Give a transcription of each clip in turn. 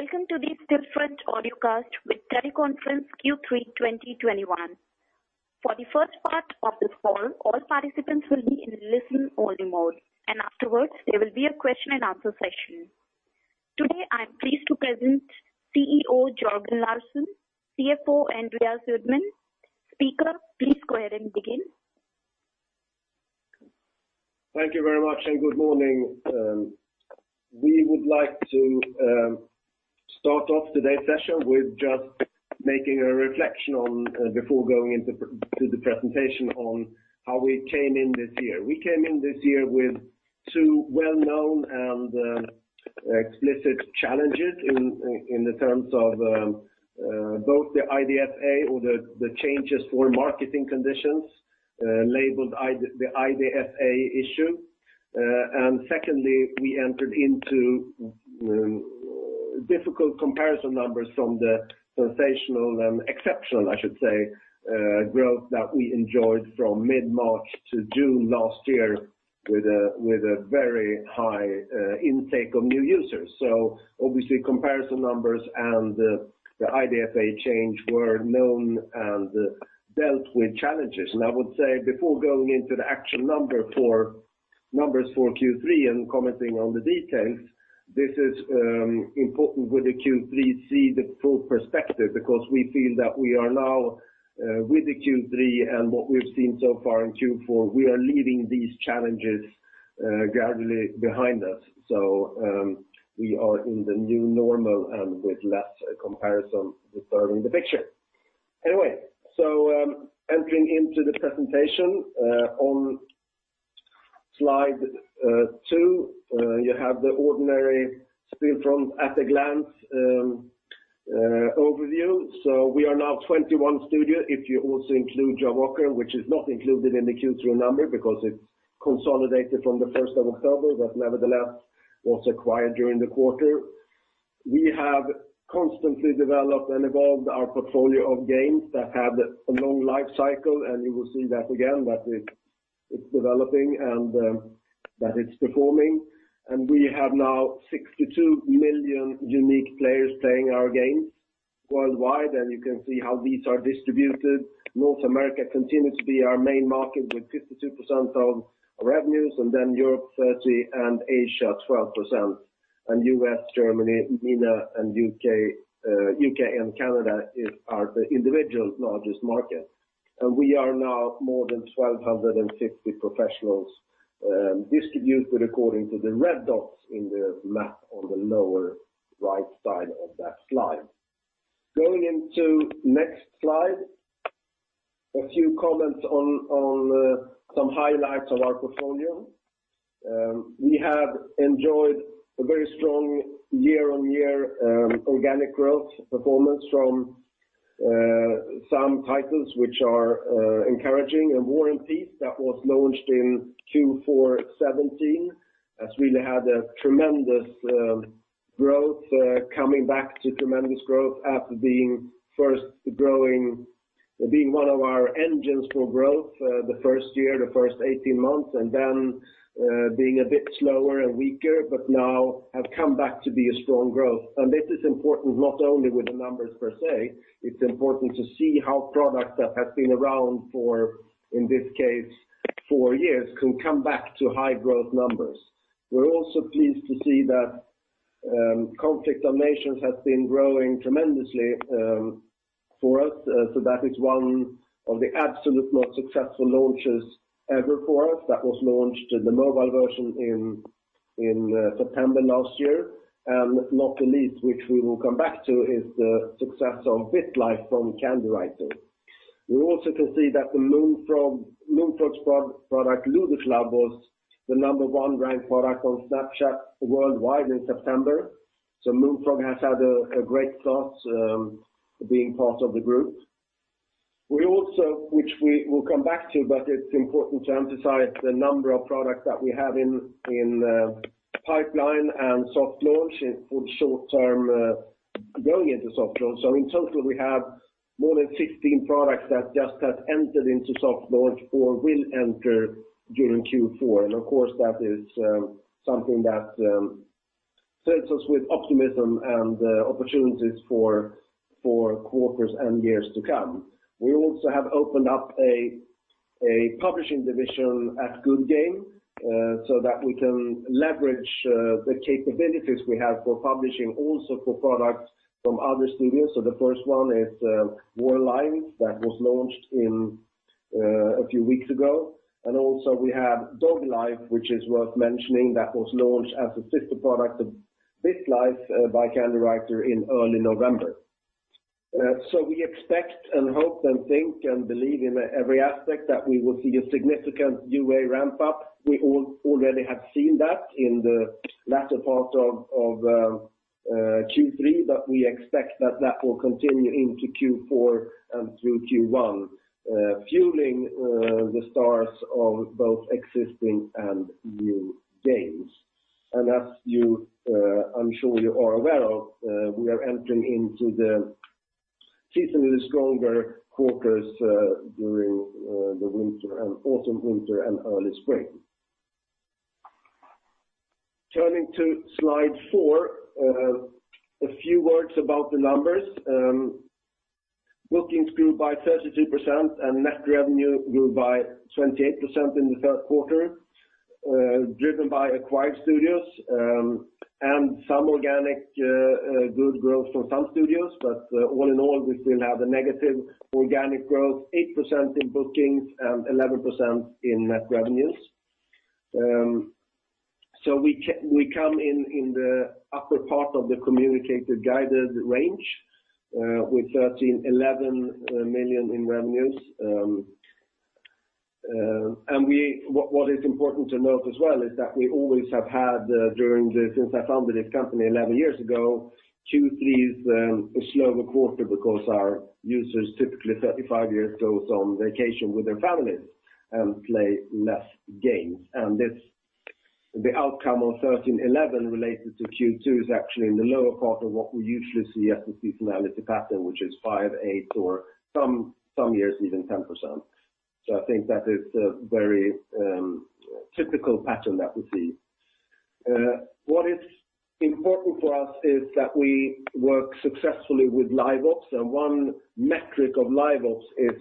Welcome to the Stillfront audiocast with teleconference Q3 2021. For the first part of this call, all participants will be in listen-only mode, and afterwards there will be a question and answer session. Today, I am pleased to present CEO Jörgen Larsson, CFO Andreas Uddman. Speaker, please go ahead and begin. Thank you very much, and good morning. We would like to start off today's session with just making a reflection on before going into the presentation on how we came in this year. We came in this year with two well-known and explicit challenges in the terms of both the IDFA or the changes for marketing conditions labeled the IDFA issue. Secondly, we entered into difficult comparison numbers from the sensational and exceptional, I should say, growth that we enjoyed from mid-March to June last year with a very high intake of new users. Obviously, comparison numbers and the IDFA change were known and dealt with challenges. I would say before going into the actual numbers for Q3 and commenting on the details, this is important with the Q3, see the full perspective, because we feel that we are now, with the Q3 and what we've seen so far in Q4, we are leaving these challenges gradually behind us. We are in the new normal and with less comparison disturbing the picture. Anyway, entering into the presentation on slide two, you have the ordinary Stillfront at a glance overview. We are now 21 studios, if you also include Jawaker, which is not included in the Q3 number because it's consolidated from the first of October, but nevertheless was acquired during the quarter. We have constantly developed and evolved our portfolio of games that have a long life cycle, and you will see that again, that it's developing and that it's performing. We have now 62 million unique players playing our games worldwide, and you can see how these are distributed. North America continues to be our main market with 52% of revenues, and then Europe 30%, and Asia 12%. U.S., Germany, MENA, and U.K. and Canada are the individual largest markets. We are now more than 1,260 professionals, distributed according to the red dots in the map on the lower right side of that slide. Going into next slide, a few comments on some highlights of our portfolio. We have enjoyed a very strong year-on-year organic growth performance from some titles which are encouraging, and War and Peace that was launched in Q4 2017 has really had a tremendous growth coming back to tremendous growth after being one of our engines for growth the first 18 months, and then being a bit slower and weaker, but now have come back to be a strong growth. This is important not only with the numbers per se, it's important to see how products that have been around for, in this case, four years, can come back to high growth numbers. We're also pleased to see that Conflict of Nations has been growing tremendously for us. So that is one of the absolute most successful launches ever for us. That was launched in the mobile version in September last year. Not the least, which we will come back to, is the success of BitLife from Candywriter. We also can see that Moonfrog's product, Ludo Club, was the number one ranked product on Snapchat worldwide in September. Moonfrog has had a great start being part of the group. We also, which we will come back to, but it's important to emphasize the number of products that we have in pipeline and soft launch in for the short-term going into soft launch. In total, we have more than 15 products that just have entered into soft launch or will enter during Q4. Of course, that is something that fills us with optimism and opportunities for quarters and years to come. We also have opened up a publishing division at Goodgame so that we can leverage the capabilities we have for publishing also for products from other studios. The first one is War Life that was launched a few weeks ago. Also we have DogLife, which is worth mentioning, that was launched as a sister product of BitLife by Candywriter in early November. We expect and hope and think and believe in every aspect that we will see a significant UA ramp up. We already have seen that in the latter part of Q3, but we expect that that will continue into Q4 and through Q1, fueling the stars of both existing and new games. I'm sure you are aware of, we are entering into the seasonally stronger quarters during the autumn, winter, and early spring. Turning to slide four, a few words about the numbers. Bookings grew by 32% and net revenue grew by 28% in the third quarter, driven by acquired studios and some organic good growth from some studios. All in all, we still have a negative organic growth, 8% in bookings and 11% in net revenues. We come in the upper part of the communicated guided range with 131 million in revenues. What is important to note as well is that we always have had since I founded this company 11 years ago, Q3 is a slower quarter because our users, typically 35 years, goes on vacation with their families and play less games. The outcome of 11%-13% related to Q2 is actually in the lower part of what we usually see as the seasonality pattern, which is 5%-8%, or some years even 10%. I think that is a very typical pattern that we see. What is important for us is that we work successfully with LiveOps, and one metric of LiveOps is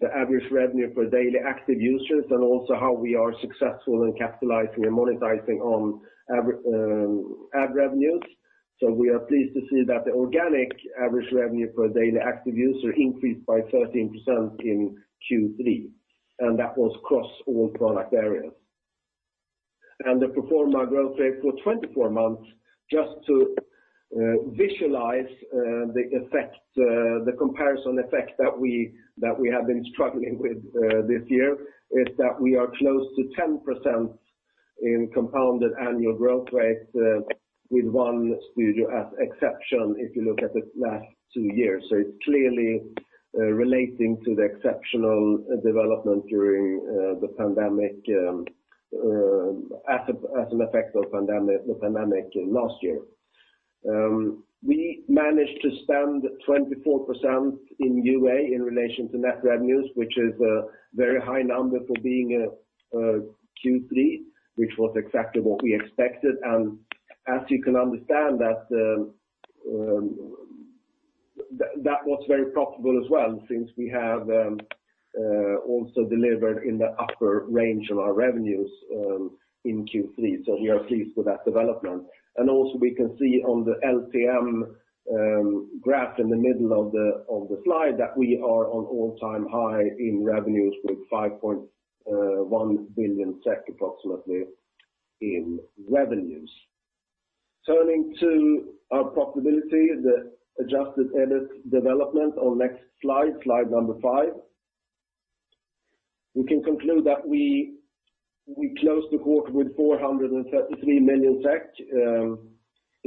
the average revenue per daily active users, and also how we are successful in capitalizing and monetizing on ad revenues. We are pleased to see that the organic average revenue per daily active user increased by 13% in Q3, and that was across all product areas. The pro forma growth rate for 24 months, just to visualize the effect, the comparison effect that we have been struggling with this year, is that we are close to 10% in compounded annual growth rates with one studio as exception if you look at the last two years. It's clearly relating to the exceptional development during the pandemic as an effect of the pandemic in last year. We managed to spend 24% in UA in relation to net revenues, which is a very high number for being a Q3, which was exactly what we expected. As you can understand, that was very profitable as well since we have also delivered in the upper range of our revenues in Q3, so we are pleased with that development. We can see on the LTM graph in the middle of the slide that we are on all-time high in revenues with 5.1 billion SEK approximately in revenues. Turning to our profitability, the adjusted EBIT development on next slide number five. We can conclude that we closed the quarter with 433 million SEK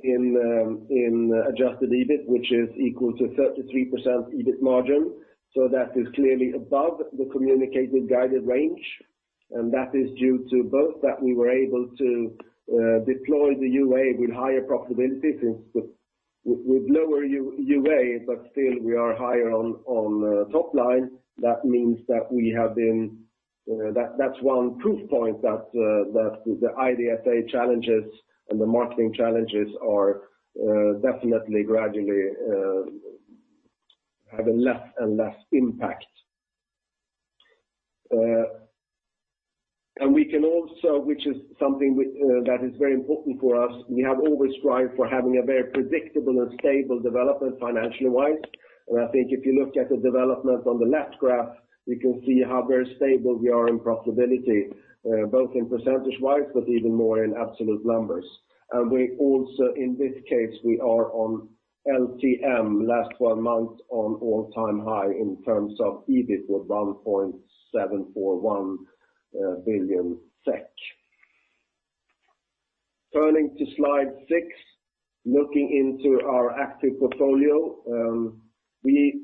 in adjusted EBIT, which is equal to 33% EBIT margin. That is clearly above the communicated guided range, and that is due to both that we were able to deploy the UA with higher profitability with lower UA, but still we are higher on top line. That means that's one proof point that the IDFA challenges and the marketing challenges are definitely gradually having less and less impact. We can also, which is something that is very important for us, we have always strived for having a very predictable and stable development financially-wise. I think if you look at the development on the left graph, you can see how very stable we are in profitability, both percentage-wise, but even more in absolute numbers. We also, in this case, we are on LTM, last 12 months, on all-time high in terms of EBIT with 1.741 billion SEK. Turning to slide six, looking into our active portfolio. We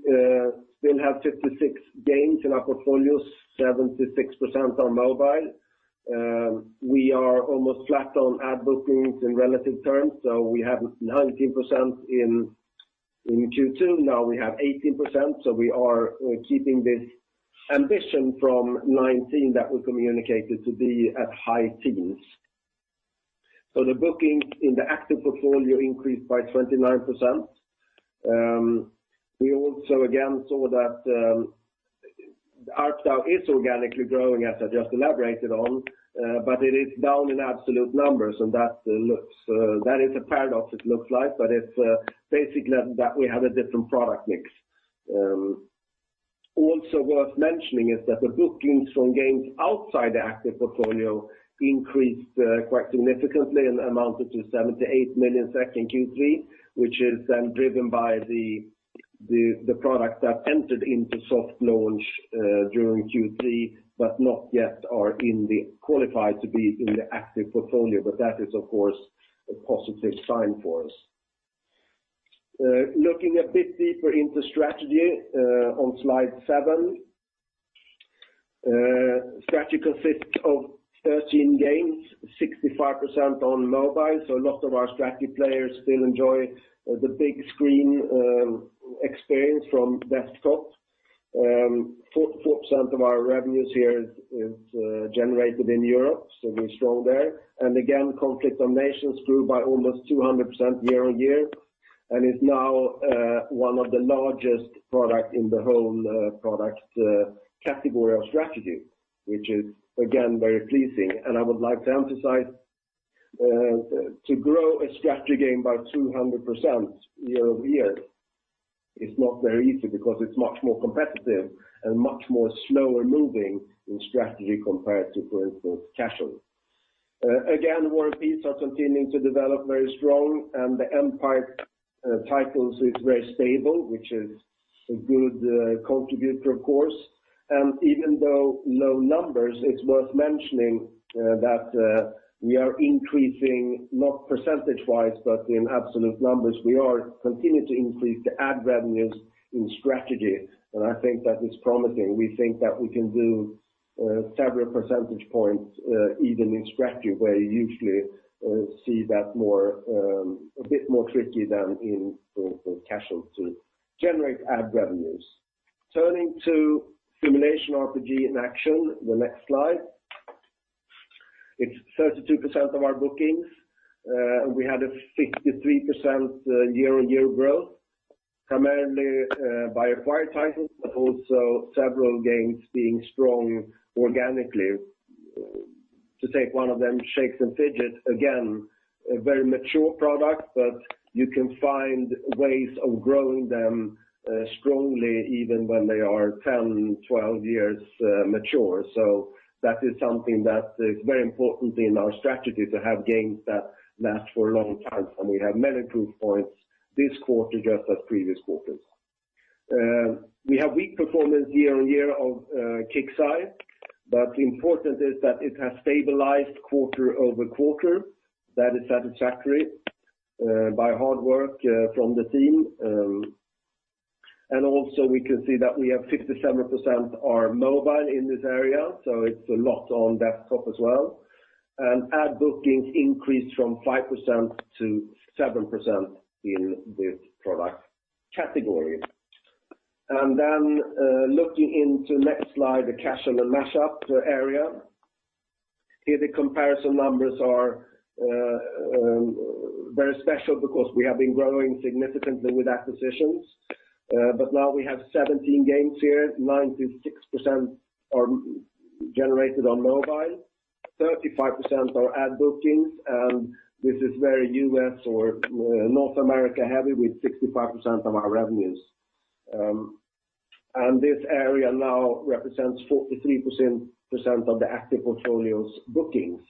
still have 56 games in our portfolios, 76% on mobile. We are almost flat on ad bookings in relative terms, so we have 19% in Q2, now we have 18%, so we are keeping this ambition from 2019 that we communicated to be at high teens. The bookings in the active portfolio increased by 29%. We also again saw that ARPDAU is organically growing, as I just elaborated on, but it is down in absolute numbers, and that looks - that is a paradox it looks like, but it's basically that we have a different product mix. Also worth mentioning is that the bookings from games outside the active portfolio increased quite significantly and amounted to 78 million SEK in Q3, which is then driven by the products that entered into soft launch during Q3, but not yet qualified to be in the active portfolio, but that is of course a positive sign for us. Looking a bit deeper into strategy on slide seven, strategy consists of 13 games, 65% on mobile, so a lot of our strategy players still enjoy the big screen experience from desktop. 4% of our revenues here is generated in Europe, so we're strong there. Again, Conflict of Nations grew by almost 200% year-on-year, and is now one of the largest product in the whole product category of strategy, which is again very pleasing. I would like to emphasize to grow a strategy game by 200% year-over-year is not very easy because it's much more competitive and much more slower moving in strategy compared to, for instance, casual. Again, War and Peace are continuing to develop very strong, and the Empire titles is very stable, which is a good contributor of course. Even though low numbers, it's worth mentioning that we are increasing, not percentage-wise, but in absolute numbers, we are continuing to increase the ad revenues in strategy. I think that is promising. We think that we can do several percentage points even in strategy where you usually see that more - a bit more tricky than in casual to generate ad revenues. Turning to simulation RPG and action, the next slide. It's 32% of our bookings and we had a 53% year-on-year growth, primarily by acquired titles, but also several games being strong organically. To take one of them, Shakes & Fidget, again, a very mature product, but you can find ways of growing them strongly even when they are 10, 12 years mature. That is something that is very important in our strategy to have games that lasts for a long time. We have many proof points this quarter just as previous quarters. We have weak performance year-on-year of Kixeye but the important is that it has stabilized quarter-over-quarter. That is satisfactory by hard work from the team. We can see that we have 67% are mobile in this area, so it's a lot on desktop as well. Ad bookings increased from 5% to 7% in this product category. Looking into next slide, the Casual & Mashup area. Here, the comparison numbers are very special because we have been growing significantly with acquisitions. Now we have 17 games here, 96% are generated on mobile, 35% are ad bookings, and this is very U.S. or North America heavy with 65% of our revenues. This area now represents 43% of the active portfolio's bookings.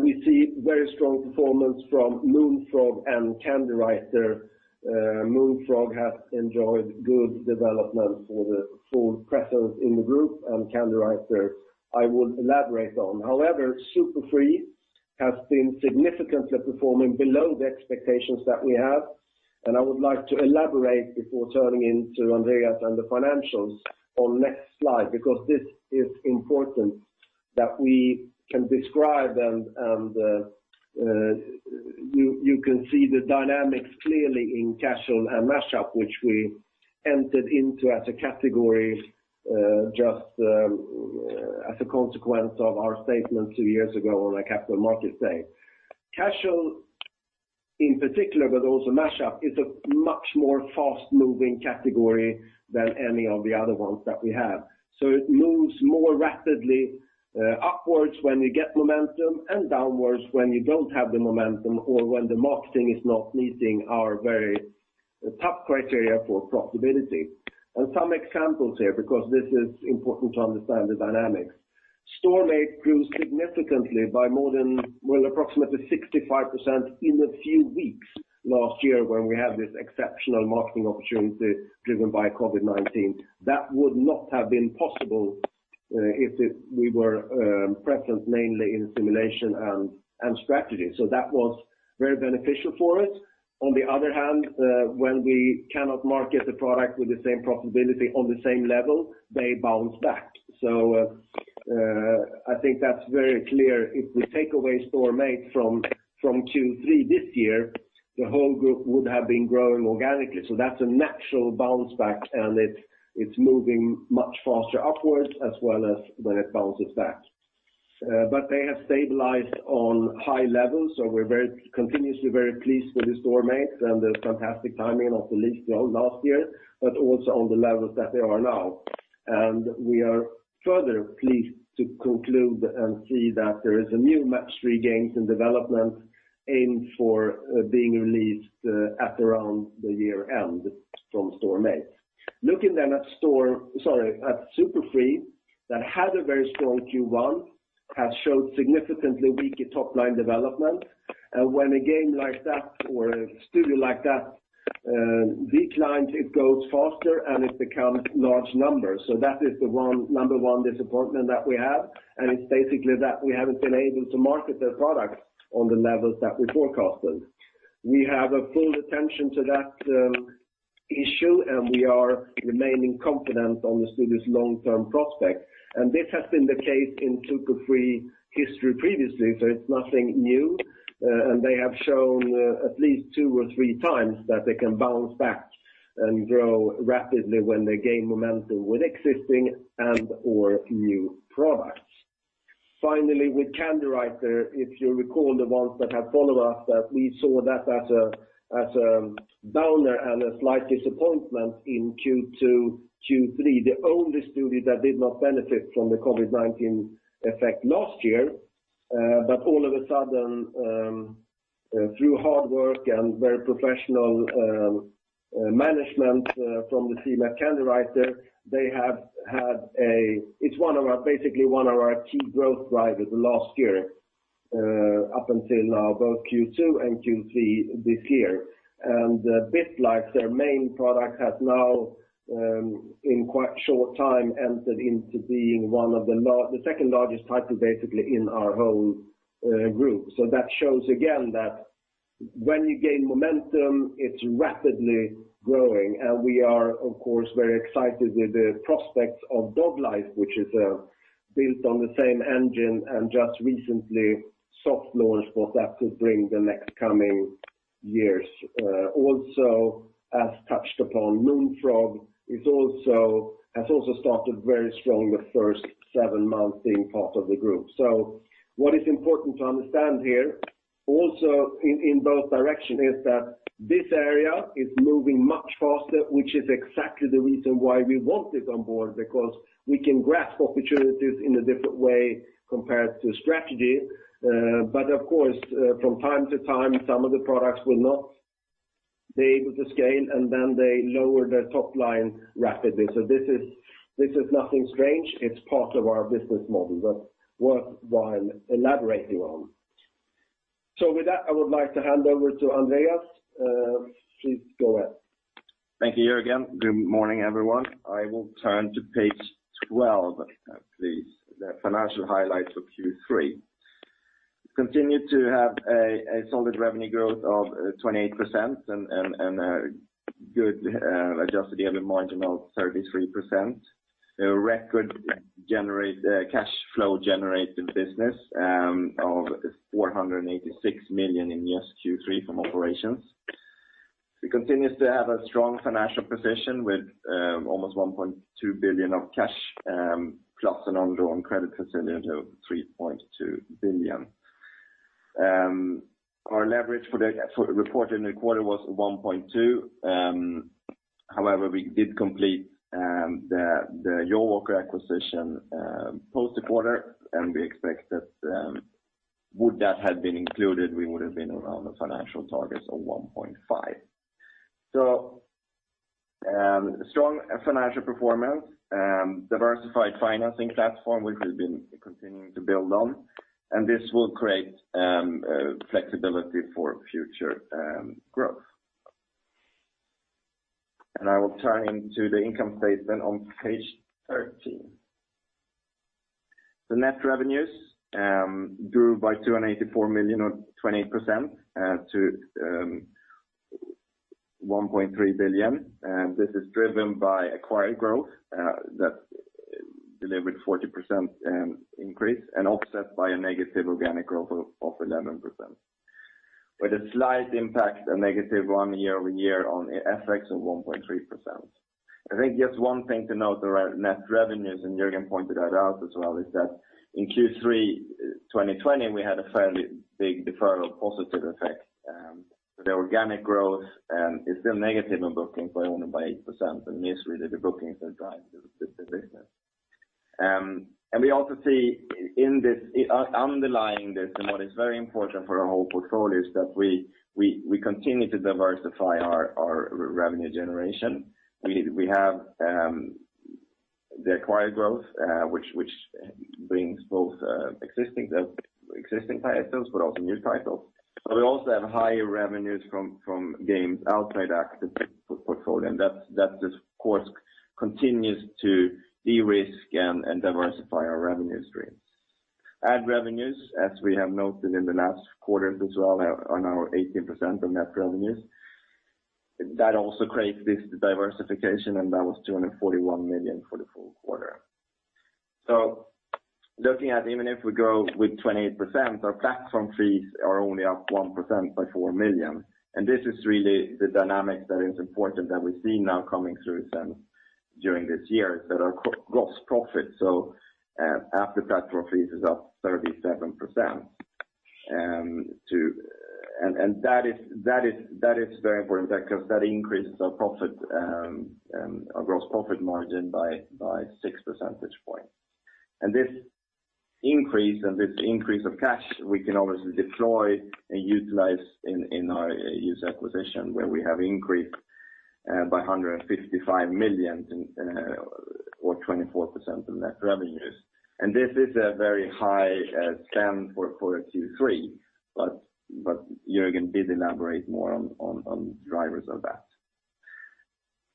We see very strong performance from Moonfrog and Candywriter. Moonfrog has enjoyed good development for the full presence in the group and Candywriter I will elaborate on. However, Super Free has been significantly performing below the expectations that we have. I would like to elaborate before turning to Andreas and the financials on next slide, because this is important that we can describe and you can see the dynamics clearly in Casual & Mashup, which we entered into as a category just as a consequence of our statement two years ago on a Capital Market Day. Casual in particular, but also Mashup, is a much more fast-moving category than any of the other ones that we have. It moves more rapidly upwards when you get momentum and downwards when you don't have the momentum or when the marketing is not meeting our very tough criteria for profitability. Some examples here, because this is important to understand the dynamics. Storm8 grew significantly by more than, well, approximately 65% in a few weeks last year when we had this exceptional marketing opportunity driven by COVID-19. That would not have been possible if we were present mainly in simulation and strategy. That was very beneficial for us. On the other hand, when we cannot market the product with the same profitability on the same level, they bounce back. I think that's very clear. If we take away Storm8 from Q3 this year, the whole group would have been growing organically. That's a natural bounce back, and it's moving much faster upwards as well as when it bounces back. They have stabilized on high levels, so we're continuously very pleased with Storm8 and the fantastic timing of release, you know, last year, but also on the levels that they are now. We are further pleased to conclude and see that there is a new Match 3 games in development aimed for being released at around the year-end from Storm8. Looking then at Super Free, that has a very strong Q1, has showed significantly weaker top-line development. When a game like that or a studio like that declines, it goes faster, and it becomes large numbers. That is the number one disappointment that we have. It's basically that we haven't been able to market their products on the levels that we forecasted. We have full attention to that issue, and we are remaining confident on the studio's long-term prospects. This has been the case two or three times in history previously, so it's nothing new. They have shown at least two or three times that they can bounce back and grow rapidly when they gain momentum with existing and/or new products. Finally with Candywriter, if you recall the ones that have followed us, that we saw as a downer and a slight disappointment in Q2, Q3, the only studio that did not benefit from the COVID-19 effect last year. All of a sudden, through hard work and very professional management from the team at Candywriter, they have had - it's basically one of our key growth drivers last year, up until now, both Q2 and Q3 this year. BitLife, their main product, has now, in quite short time, entered into being one of the second-largest title basically in our whole group. That shows again that when you gain momentum, it's rapidly growing. We are of course very excited with the prospects of DogLife, which is built on the same engine, and just recently soft-launched what that could bring the next coming years. Also, as touched upon, Moonfrog has also started very strong the first seven months being part of the group. What is important to understand here, also in both direction, is that this area is moving much faster, which is exactly the reason why we want this on board, because we can grasp opportunities in a different way compared to strategy. Of course, from time to time, some of the products will not be able to scale, and then they lower their top line rapidly. This is nothing strange. It's part of our business model, but worthwhile elaborating on. With that, I would like to hand over to Andreas. Please go ahead. Thank you, Jörgen. Good morning, everyone. I will turn to page 12, please, the financial highlights of Q3. We continue to have a solid revenue growth of 28% and good adjusted EBITDA margin of 33%. A record cash flow-generating business of 486 million in Q3 from operations. We continue to have a strong financial position with almost 1.2 billion of cash plus an undrawn credit facility of 3.2 billion. Our leverage for the report in the quarter was 1.2. However, we did complete the Jawaker acquisition post-quarter, and we expect that would that have been included, we would've been around the financial targets of 1.5. Strong financial performance, diversified financing platform which we've been continuing to build on, and this will create flexibility for future growth. I will turn to the income statement on page 13. Net revenues grew by 284 million, or 28%, to 1.3 billion. This is driven by acquired growth that delivered 40% increase and offset by a negative organic growth of 11% but with a slight negative year-over-year impact on FX of 1.3%. I think just one thing to note around net revenues, and Jörgen pointed that out as well, is that in Q3 2020, we had a fairly big deferral positive effect. The organic growth is still negative in bookings by only 8%, and it's really the bookings that drive the business. We also see in this underlying this and what is very important for our whole portfolio is that we continue to diversify our revenue generation. We have the acquired growth, which brings both existing titles, but also new titles. We also have higher revenues from games outside active portfolio, and that, of course, continues to de-risk and diversify our revenue streams. Ad revenues, as we have noted in the last quarters as well, are on our 18% of net revenues. That also creates this diversification, and that was 241 million for the full quarter. Looking at even if we grow with 28%, our platform fees are only up 1% by 4 million. This is really the dynamics that is important that we see now coming through in this year, that our gross profit, after platform fees, is up 37%. And that is very important because that increases our gross profit margin by 6 percentage points. This increase of cash we can obviously deploy and utilize in our user acquisition, where we have increased by 155 million, or 24% of net revenues. This is a very high spend for a Q3, but Jörgen did elaborate more on drivers of that.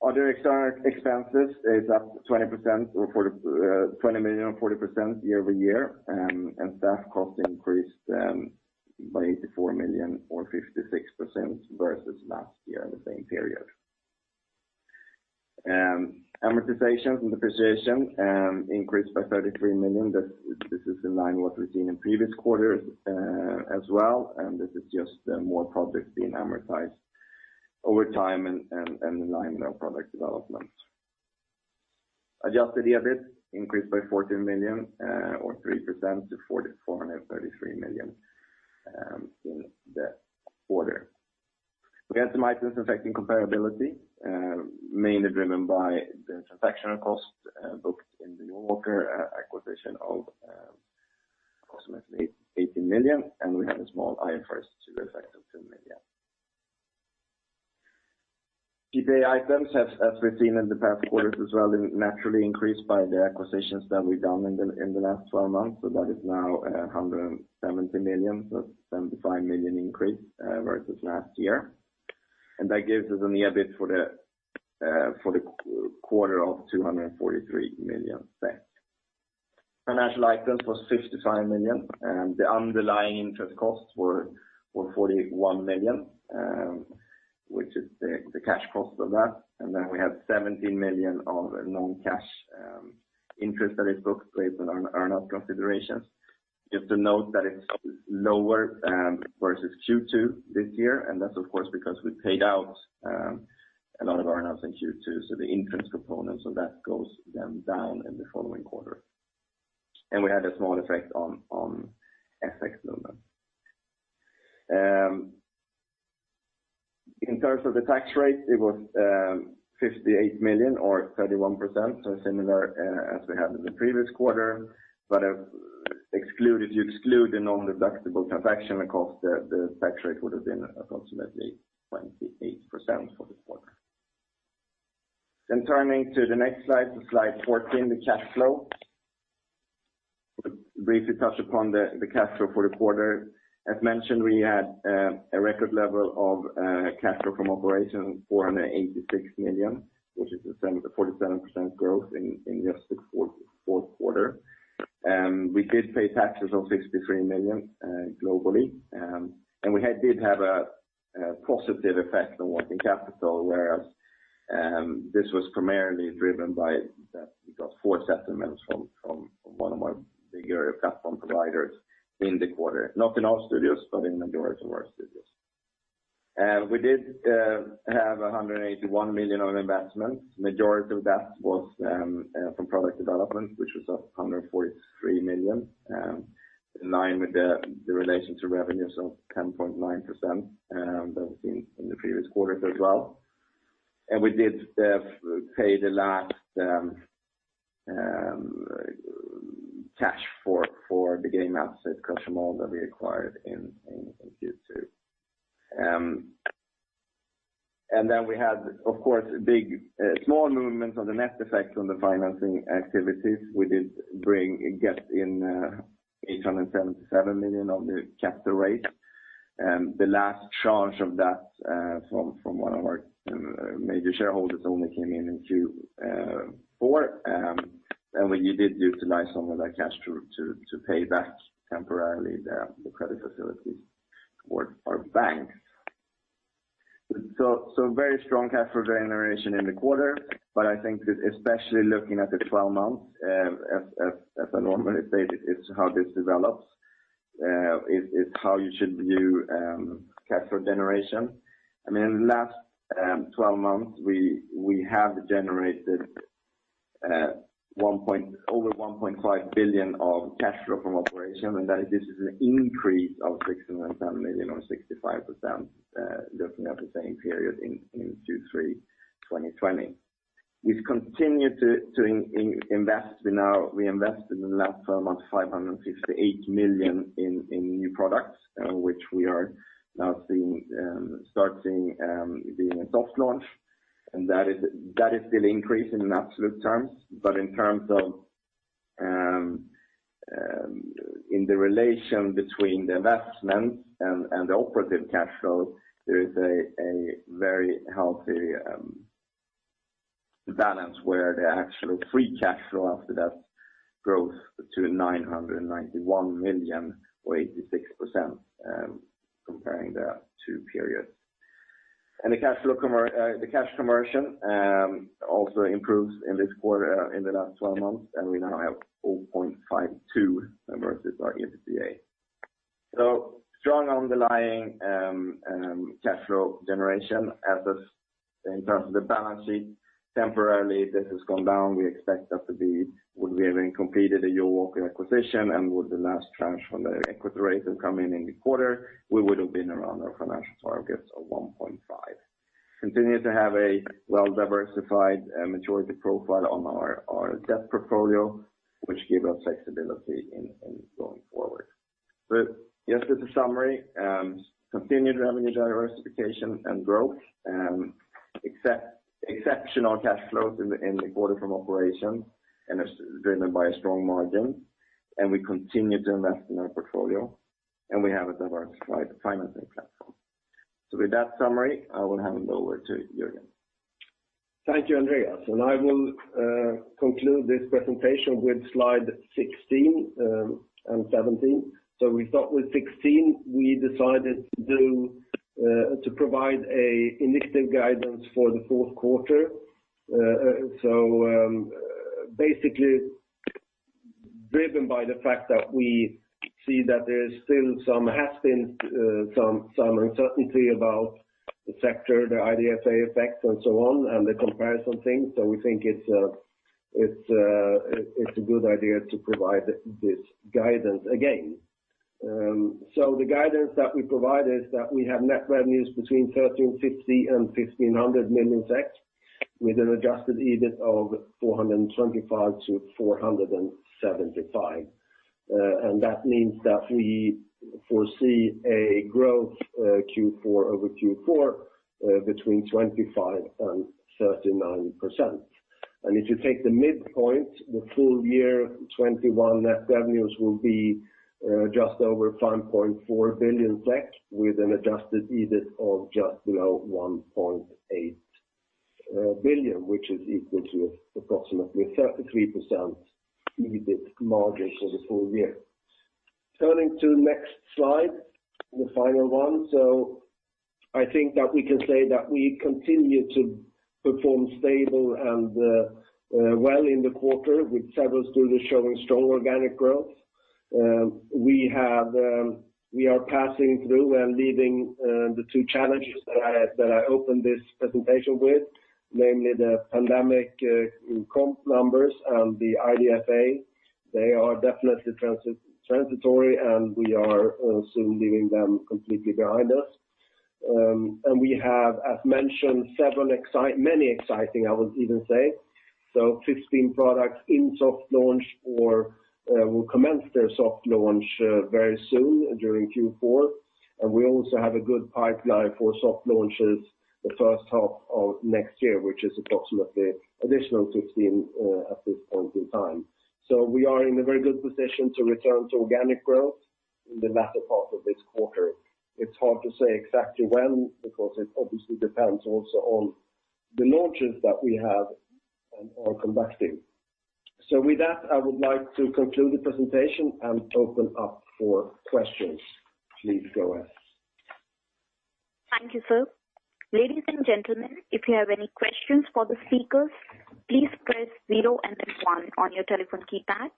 Other external expenses is up 20 million or 40% year-over-year, and staff costs increased by 84 million or 56% versus last year, the same period. Amortizations and depreciation increased by 33 million. This is in line with what we've seen in previous quarters as well, and this is just more projects being amortized over time and in line with our product development. Adjusted EBIT increased by 14 million or 3% to 433 million in the quarter. We had some items affecting comparability, mainly driven by the transaction costs booked in the Jawaker acquisition of approximately 80 million, and we had a small IFRS effect of SEK 2 million. GAAP items, as we've seen in the past quarters as well, they naturally increased by the acquisitions that we've done in the last twelve months. That is now 170 million, so 75 million increase versus last year. That gives us an EBIT for the quarter of 243 million. Financial items was 55 million, and the underlying interest costs were 41 million, which is the cash cost of that. Then we have 17 million of non-cash interest that is booked based on earn out considerations. Just to note that it's lower versus Q2 this year, and that's of course because we paid out a lot of earn outs in Q2, so the interest components of that goes then down in the following quarter. We had a small effect on FX movement. In terms of the tax rate, it was 58 million or 31%, so similar as we had in the previous quarter. If you exclude the non-deductible transaction cost, the tax rate would have been approximately 28% for this quarter. Turning to the next slide, to slide 14, the cash flow, briefly touch upon the cash flow for the quarter. As mentioned, we had a record level of cash flow from operations, 486 million, which is the same, 47% growth in just the fourth quarter. We did pay taxes of 63 million globally. We did have a positive effect on working capital whereas this was primarily driven by that we got four settlements from one of our bigger platform providers in the quarter, not in all studios, but in the majority of our studios. We did have 181 million on investment. Majority of that was from product development, which was 143 million, in line with the relation to revenue, so 10.9%, that was seen in the previous quarters as well. We did pay the last cash for the game assets, cash amount that we acquired in Q2. We had, of course, small movements on the net effect on the financing activities. We did get in 877 million on the capital raise. The last tranche of that from one of our major shareholders only came in in Q4. We did utilize some of that cash to pay back temporarily the credit facility towards our banks. Very strong cash flow generation in the quarter, but I think especially looking at the 12 months, as I normally state it's how this develops is how you should view cash flow generation. I mean, in the last 12 months, we have generated over 1.5 billion of cash flow from operation, and that is an increase of 610 million or 65%, looking at the same period in Q3 2020. We've continued to invest. We invested in the last 12 months 568 million in new products, which we are now seeing being in soft launch. That is still increasing in absolute terms. In terms of the relation between the investment and the operating cash flow, there is a very healthy balance where the actual free cash flow after that growth to 991 million or 86%, comparing the two periods. The cash conversion also improves in this quarter, in the last 12 months, and we now have 4.52 versus our EBITDA. Strong underlying cash flow generation in terms of the balance sheet. Temporarily, this has gone down. We expect that to be when we have completed the Jawaker acquisition and with the last tranche from the equity raise that come in in the quarter, we would have been around our financial targets of 1.5. We continue to have a well-diversified majority profile on our debt portfolio, which give us flexibility in going forward. Just as a summary, continued revenue diversification and growth, exceptional cash flows in the quarter from operations, and it's driven by a strong margin, and we continue to invest in our portfolio, and we have a diversified financing platform. With that summary, I will hand it over to Jörgen. Thank you, Andreas. I will conclude this presentation with slide 16 and 17. We start with 16. We decided to provide initial guidance for the fourth quarter. Basically driven by the fact that we see that there is still some uncertainty about the sector, the IDFA effects and so on, and the comparison thing. We think it's a good idea to provide this guidance again. The guidance that we provide is that we have net revenues between 1,350 million and 1,500 million SEK, with an adjusted EBIT of 425 million-475 million. That means that we foresee a growth Q4 over Q4 between 25% and 39%. If you take the midpoint, the full year 2021 net revenues will be just over 5.4 billion SEK, with an adjusted EBIT of just below 1.8 billion, which is equal to approximately 33% EBIT margin for the full year. Turning to next slide, the final one. I think that we can say that we continue to perform stable and well in the quarter, with several studios showing strong organic growth. We are passing through and leaving the two challenges that I opened this presentation with namely the pandemic comp numbers and the IDFA. They are definitely transitory, and we are soon leaving them completely behind us. We have, as mentioned, many exciting, I would even say, 15 products in soft launch or will commence their soft launch very soon during Q4. We also have a good pipeline for soft launches the H1 of next year, which is approximately additional 15 at this point in time. We are in a very good position to return to organic growth in the latter part of this quarter. It's hard to say exactly when, because it obviously depends also on the launches that we have and are conducting. With that, I would like to conclude the presentation and open up for questions. Please go ahead. Thank you, sir. Ladies and gentlemen, if you have any questions for the speakers, please press zero and then one on your telephone keypad.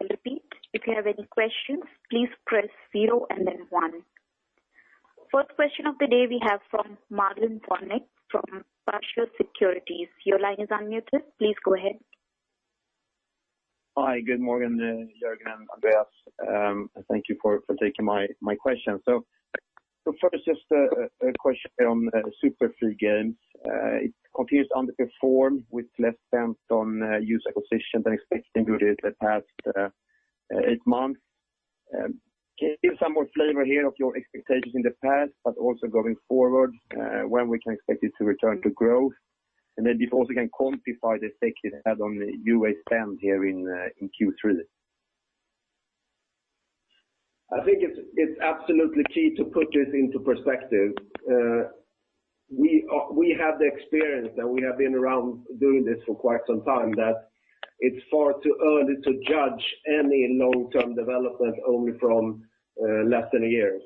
I repeat, if you have any questions, please press zero and then one. First question of the day we have from Marlon Värnik from Pareto Securities. Your line is unmuted. Please go ahead. Hi, good morning, Jörgen and Andreas. Thank you for taking my question. First, just a question on the Super Free Games. It continues underperform with less spent on user acquisition than expected during the past eight months. Can you give some more flavor here of your expectations in the past, but also going forward, when we can expect it to return to growth? THen if also you can quantify the effect it had on the UA spend here in Q3. I think it's absolutely key to put this into perspective. We have the experience, and we have been around doing this for quite some time, that it's far too early to judge any long-term development only from less than a year.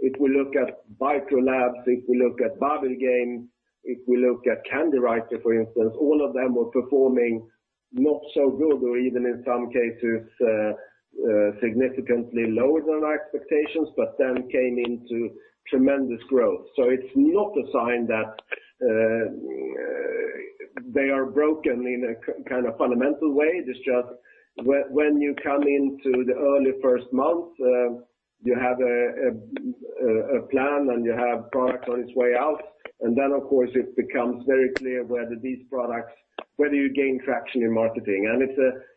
If we look at Bytro Labs, if we look at Babil Games, if we look at Candywriter, for instance, all of them were performing not so good or even in some cases significantly lower than our expectations, but then came into tremendous growth. It's not a sign that they are broken in a kind of fundamental way. It's just when you come into the early first month, you have a plan and you have product on its way out. Of course it becomes very clear whether these products - whether you gain traction in marketing.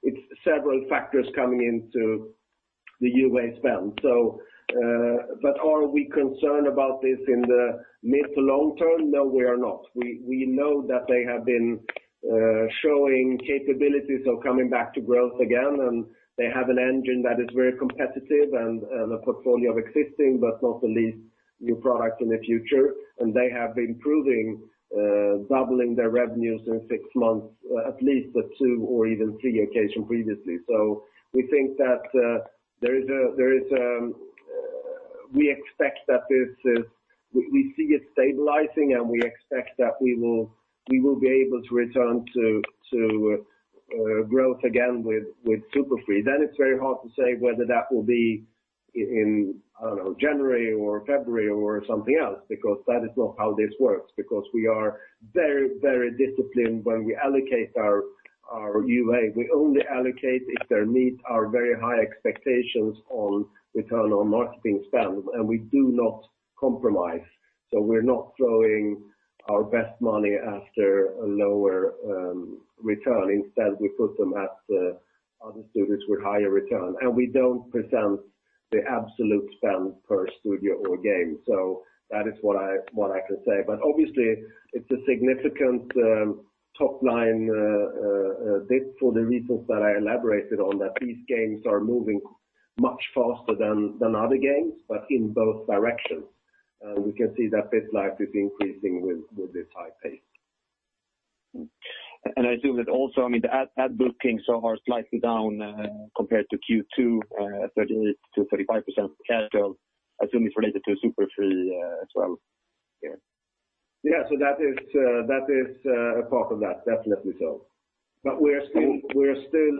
It's several factors coming into the UA spend. Are we concerned about this in the mid to long term? No, we are not. We know that they have been showing capabilities of coming back to growth again, and they have an engine that is very competitive and a portfolio of existing, but not the least new product in the future. They have been proving doubling their revenues in six months, at least on two or even three occasions previously. We think that there is - we expect that this is - we see it stabilizing, and we expect that we will be able to return to growth again with Super Free Games. That is very hard to say whether that will be in, I don't know, January or February or something else, because that is not how this works, because we are very, very disciplined when we allocate our UA. We only allocate if they meet our very high expectations on return on marketing spend, and we do not compromise. We're not throwing our best money after a lower return. Instead, we put them at other studios with higher return. We don't present the absolute spend per studio or game. That is what I can say, but obviously it's a significant top line dip for the reasons that I elaborated on, that these games are moving much faster than other games, but in both directions. We can see that BitLife is increasing with this high pace. I assume that also, I mean the ad booking so far is slightly down, compared to Q2, 38%-35% Casual. I assume it's related to Super Free Games, as well. Yeah. That is a part of that. Definitely so. We are still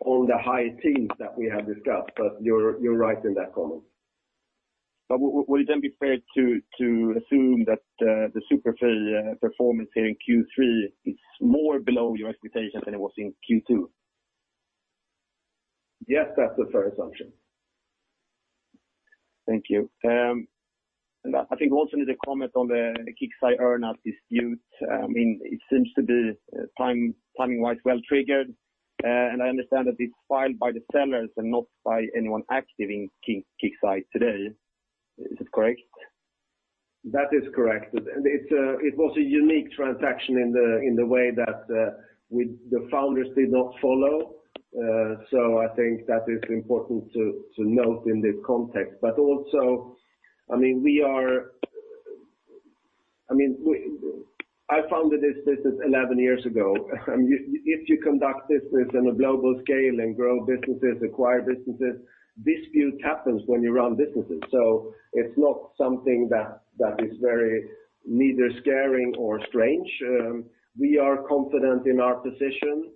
on the high teens that we have discussed, but you're right in that comment. Would it then be fair to assume that the Super Free performance here in Q3 is more below your expectations than it was in Q2? Yes, that's a fair assumption. Thank you. I think we also need a comment on the Kixeye earn-out dispute. I mean, it seems to be timing-wise well triggered. I understand that it's filed by the sellers and not by anyone active in Kixeye today. Is it correct? That is correct. It was a unique transaction in the way that the founders did not follow. I think that is important to note in this context. I founded this business 11 years ago. If you conduct business on a global scale and grow businesses, acquire businesses, disputes happens when you run businesses. It's not something that is very neither scaring or strange. We are confident in our position.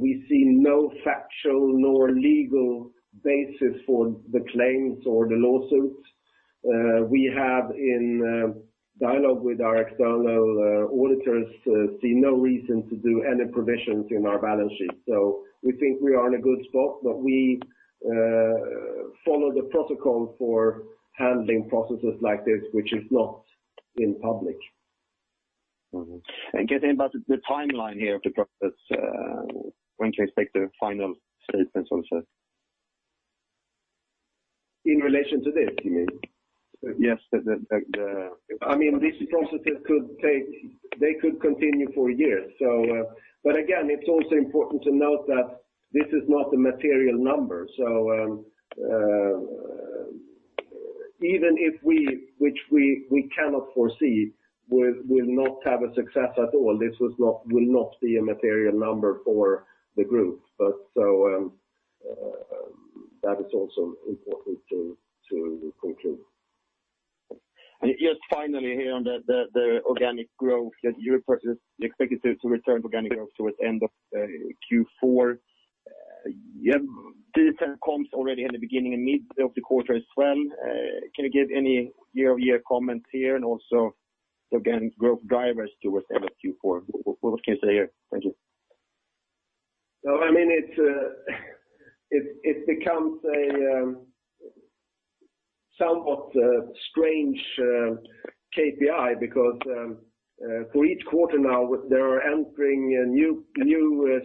We see no factual nor legal basis for the claims or the lawsuits. We are in dialogue with our external auditors. We see no reason to do any provisions in our balance sheet. We think we are in a good spot, but we follow the protocol for handling processes like this, which is not in public. Can you say about the timeline here of the process, when can you expect the final statements also? In relation to this, you mean? Yes. I mean, these processes could continue for years. Again, it's also important to note that this is not a material number. Even if we will not have a success at all, which we cannot foresee, this will not be a material number for the group. That is also important to conclude. Just finally here on the inorganic growth that you purchased, you expect it to return organic growth towards end of Q4. Did it then comps already in the beginning and mid of the quarter as well? Can you give any year-over-year comments here? Also, again, growth drivers towards end of Q4. What can you say here? Thank you. I mean, it becomes a somewhat strange KPI because for each quarter now, they are entering new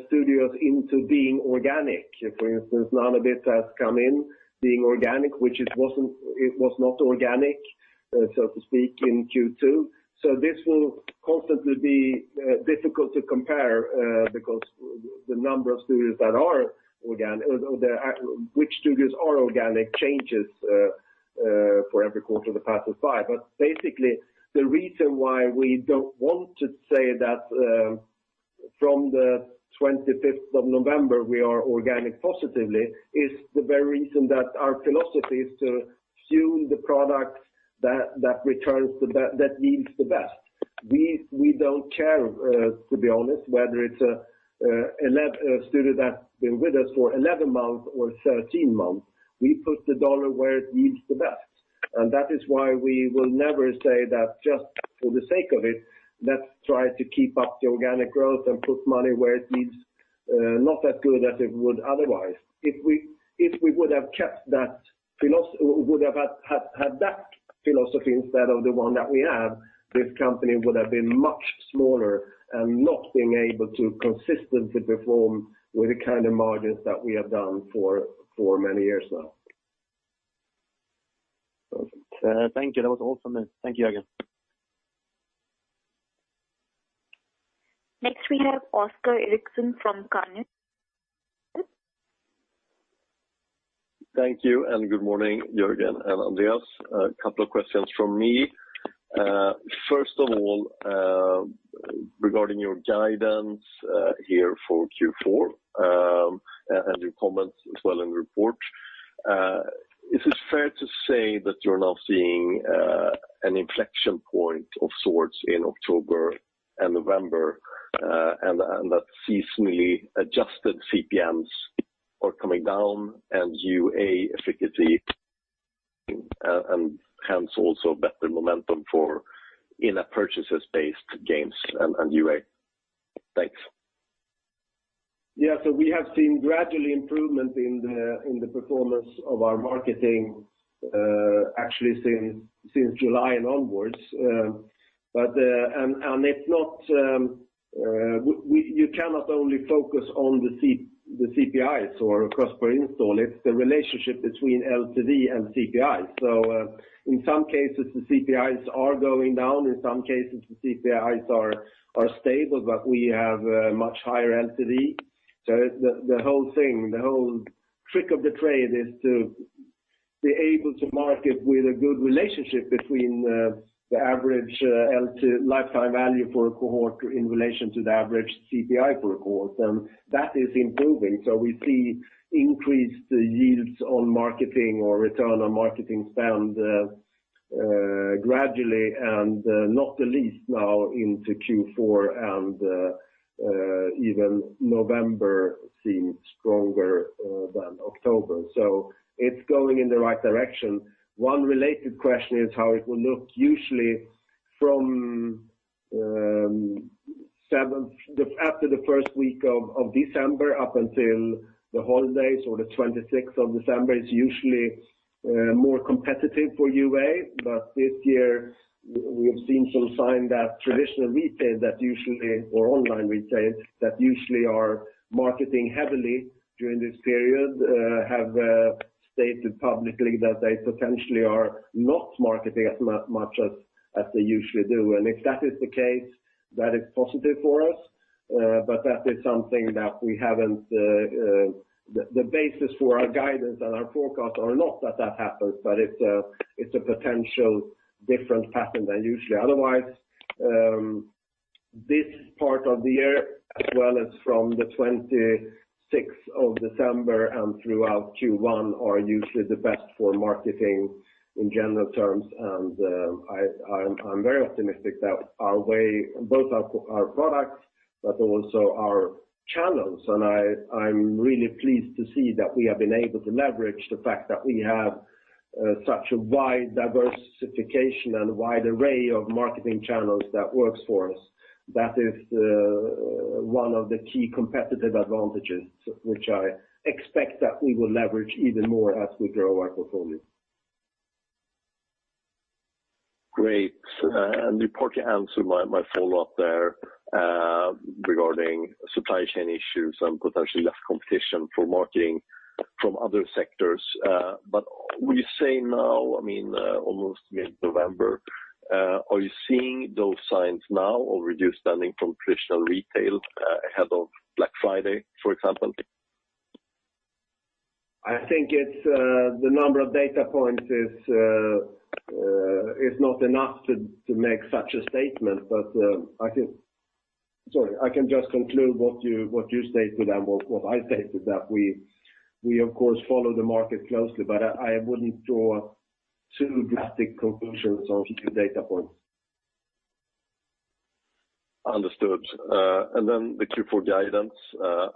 studios into being organic. For instance, Nanobit has come in being organic, which it wasn't - it was not organic so to speak, in Q2. This will constantly be difficult to compare because the number of studios that are organic, which studios are organic changes, for every quarter that passes by. Basically, the reason why we don't want to say that from the 25th of November, we are organic positively, is the very reason that our philosophy is to fuel the product that returns the best that yields the best. We don't care, to be honest, whether it's a studio that's been with us for 11 months or 13 months. We put the dollar where it yields the best. That is why we will never say that just for the sake of it, let's try to keep up the organic growth and put money where it yields not as good as it would otherwise. If we would have kept that philosophy instead of the one that we have, this company would have been much smaller and not being able to consistently perform with the kind of margins that we have done for many years now. Perfect. Thank you. That was all from me. Thank you again. Next we have Oscar Erixon from Carnegie. Thank you and good morning, Jörgen and Andreas. A couple of questions from me. First of all, regarding your guidance here for Q4, and your comments as well in the report, is it fair to say that you're now seeing an inflection point of sorts in October and November, and that seasonally adjusted CPMs are coming down and UA efficacy, and hence also better momentum for in-app purchases-based games and UA? Thanks. Yeah. We have seen gradually improvement in the performance of our marketing, actually since July and onwards, and it's not - you cannot only focus on the CPIs or cost per install, it's the relationship between LTV and CPI. In some cases, the CPIs are going down. In some cases, the CPIs are stable, but we have a much higher LTV. The whole thing, the whole trick of the trade is to be able to market with a good relationship between the average lifetime value for a cohort in relation to the average CPI per cohort, and that is improving. We see increased yields on marketing or return on marketing spend gradually, and not the least now into Q4 and even November seems stronger than October. It's going in the right direction. One related question is how it will look usually from after the first week of December up until the holidays or the 26th of December is usually more competitive for UA. This year we have seen some sign that traditional retail or online retail that usually are marketing heavily during this period have stated publicly that they potentially are not marketing as much as they usually do. If that is the case, that is positive for us, but that is something that we haven't. The basis for our guidance and our forecast are not that happens, but it's a potential different pattern than usually. Otherwise, this part of the year as well as from the 26th of December and throughout Q1 are usually the best for marketing in general terms. I'm very optimistic anyway, both our products, but also our channels. I'm really pleased to see that we have been able to leverage the fact that we have such a wide diversification and wide array of marketing channels that works for us. That is one of the key competitive advantages which I expect that we will leverage even more as we grow our portfolio. Great. You partly answered my follow-up there regarding supply chain issues and potentially less competition for marketing from other sectors. Would you say now, I mean almost mid-November, are you seeing those signs now or reduced spending from traditional retail ahead of Black Friday, for example? I think it's the number of data points is not enough to make such a statement. I can just conclude what you stated and what I stated, that we of course follow the market closely, but I wouldn't draw too drastic conclusions on few data points. Understood. The Q4 guidance,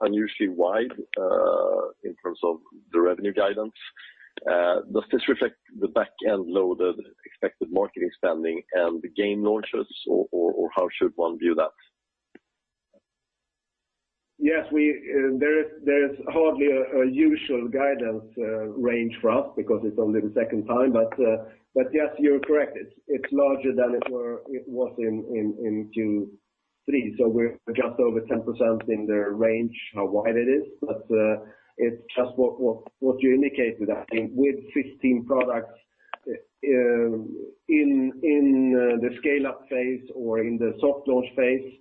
unusually wide, in terms of the revenue guidance. Does this reflect the back-end loaded expected marketing spending and the game launches or how should one view that? Yes, we - there is hardly a usual guidance range for us because it's only the second time. Yes, you're correct. It's larger than it was in Q3, so we're just over 10% in the range, how wide it is. It's just what you indicated. I think with 15 products in the scale-up phase or in the soft launch phase,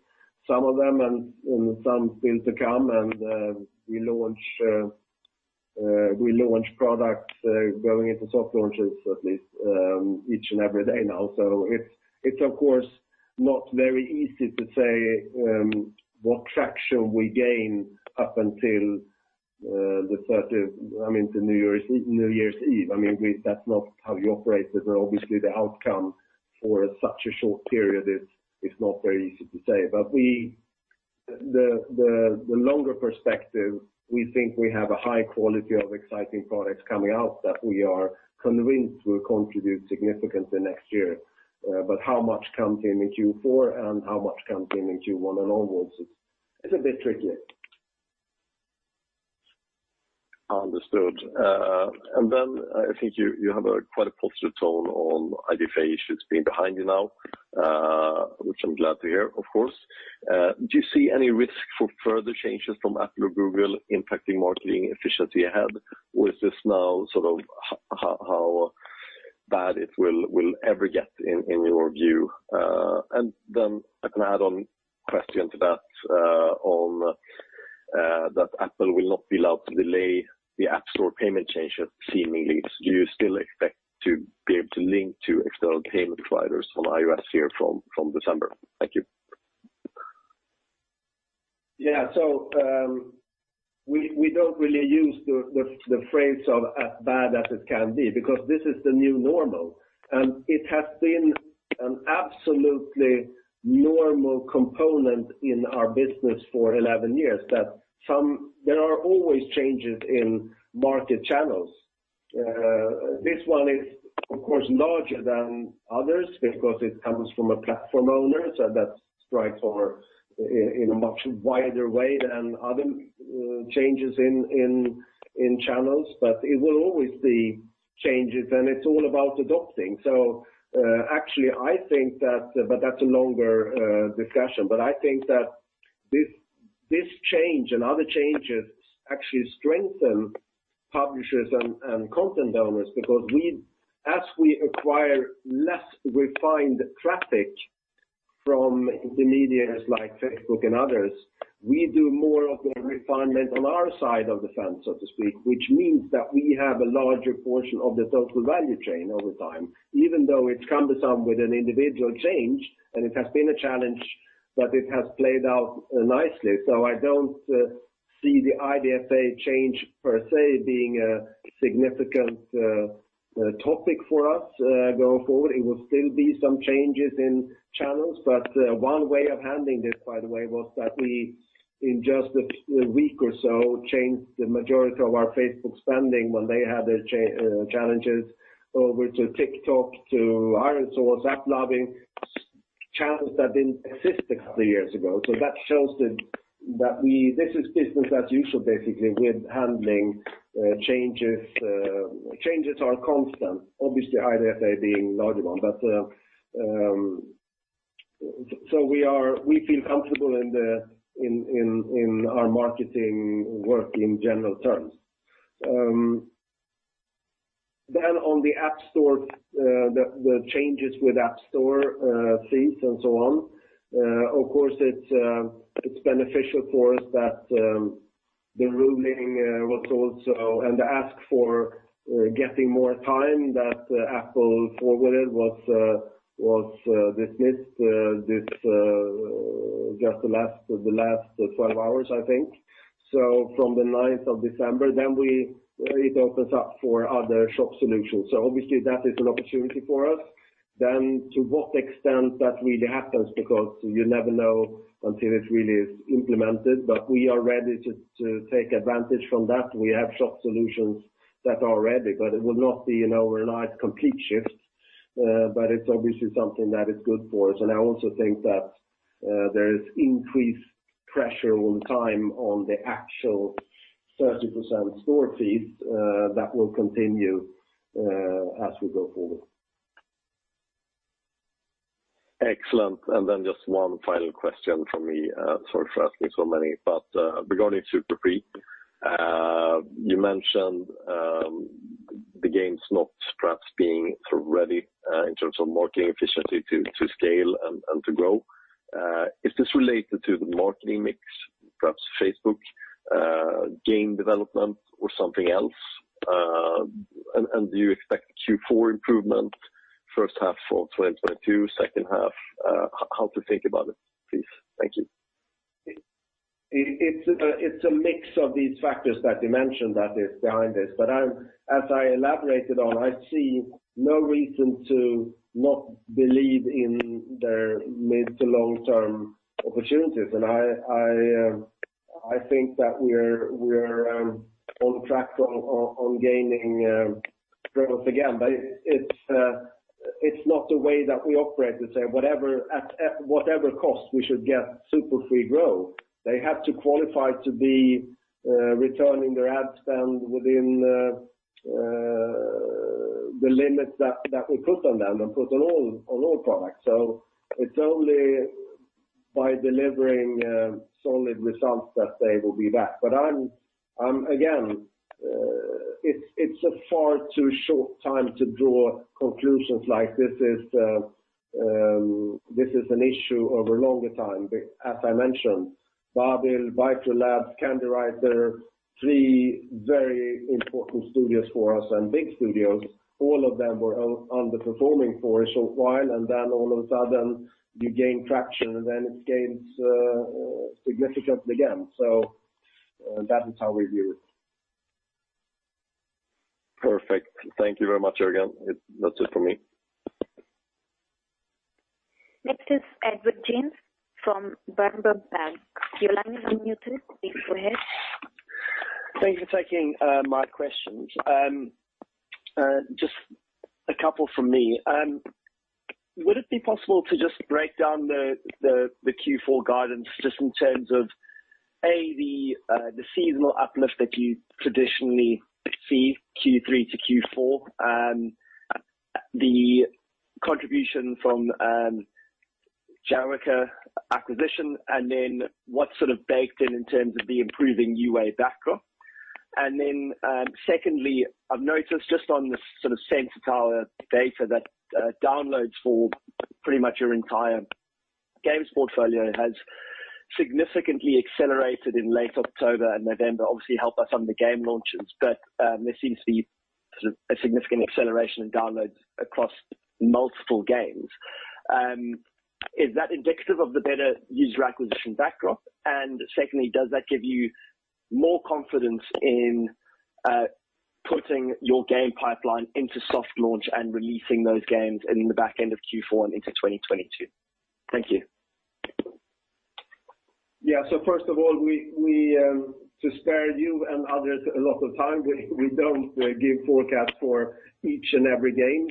some of them and some still to come, we launch products going into soft launches at least, each and every day now. It's of course not very easy to say what traction we gain up until, I mean, the New Year's Eve. I mean, that's not how you operate, but obviously the outcome for such a short period is not very easy to say. The longer perspective, we think we have a high quality of exciting products coming out that we are convinced will contribute significantly next year. But how much comes in the Q4 and how much comes in Q1 and onwards is a bit trickier. Understood. I think you have a quite positive tone on IDFA issues being behind you now, which I'm glad to hear, of course. Do you see any risk for further changes from Apple or Google impacting marketing efficiency ahead, or is this now sort of how bad it will ever get in your view? I can add on a question to that, on that Apple will not be allowed to delay the App Store payment changes seemingly. Do you still expect to be able to link to external payment providers on iOS here from December? Thank you. Yeah. We don't really use the phrase as bad as it can be because this is the new normal, and it has been an absolutely normal component in our business for 11 years that there are always changes in market channels. This one is of course larger than others because it comes from a platform owner, so that strikes in a much wider way than other changes in channels. It will always be changes, and it's all about adapting. Actually, I think that - but that's a longer discussion. I think that this change and other changes actually strengthen publishers and content owners because as we acquire less refined traffic from intermediaries like Facebook and others, we do more of the refinement on our side of the fence, so to speak, which means that we have a larger portion of the total value chain over time, even though it's cumbersome with an individual change, and it has been a challenge, but it has played out nicely. I don't see the IDFA change per se being a significant topic for us going forward. It will still be some changes in channels, but one way of handling this by the way, was that we, in just a week or so, changed the majority of our Facebook spending when they had their challenges over to TikTok, to ironSource, AppLovin, channels that didn't exist a couple of years ago. That shows that this is business as usual, basically, with handling changes. Changes are constant, obviously IDFA being a large one. We feel comfortable in our marketing work in general terms. On the App Store, the changes with App Store, fees and so on, of course it's beneficial for us that the ruling was also - the ask for getting more time that Apple forwarded was dismissed just in the last 12 hours, I think. From the 9th of December, it opens up for other store solutions. Obviously, that is an opportunity for us, then to what extent that really happens because you never know until it really is implemented. We are ready to take advantage from that. We have soft solutions that are ready, but it will not be an overnight complete shift, but it's obviously something that is good for us. I also think that there is increased pressure all the time on the actual 30% store fees that will continue as we go forward. Excellent. Then just one final question from me, sorry for asking so many. Regarding Super Free, you mentioned the game's not perhaps being ready in terms of marketing efficiency to scale and to grow. Is this related to the marketing mix, perhaps Facebook, game development or something else? Do you expect Q4 improvement first half for 2022, second half? How to think about it, please? Thank you. It's a mix of these factors that you mentioned that is behind this. As I elaborated on, I see no reason to not believe in their mid- to long-term opportunities. I think that we're on track on gaining growth again. It's not the way that we operate to say whatever at whatever cost we should get Super Free to grow. They have to qualify to be returning their ad spend within the limits that we put on them and put on all products. It's only by delivering solid results that they will be back. Again, it's a far too short time to draw conclusions like this is an issue over longer time. As I mentioned, Babil, Bytro Labs, Candywriter, three very important studios for us and big studios, all of them were underperforming for a short while, and then all of a sudden you gain traction and then it gains significance again. That is how we view it. Perfect. Thank you very much, Jörgen. That's it for me. Next is Edward James from Berenberg Bank. Your line is unmuted. Please go ahead. Thank you for taking my questions. Just a couple from me. Would it be possible to just break down the Q4 guidance just in terms of the seasonal uplift that you traditionally see Q3 to Q4, the contribution from Jawaker acquisition, and then what's sort of baked in in terms of the improving UA backdrop? Then secondly, I've noticed just on the sort of Sensor Tower data that downloads for pretty much your entire games portfolio has significantly accelerated in late October and November, obviously helped by some of the game launches. There seems to be a significant acceleration in downloads across multiple games. Is that indicative of the better user acquisition backdrop? Secondly, does that give you more confidence in putting your game pipeline into soft launch and releasing those games in the back end of Q4 and into 2022? Thank you. First of all, to spare you and others a lot of time, we don't give forecast for each and every game.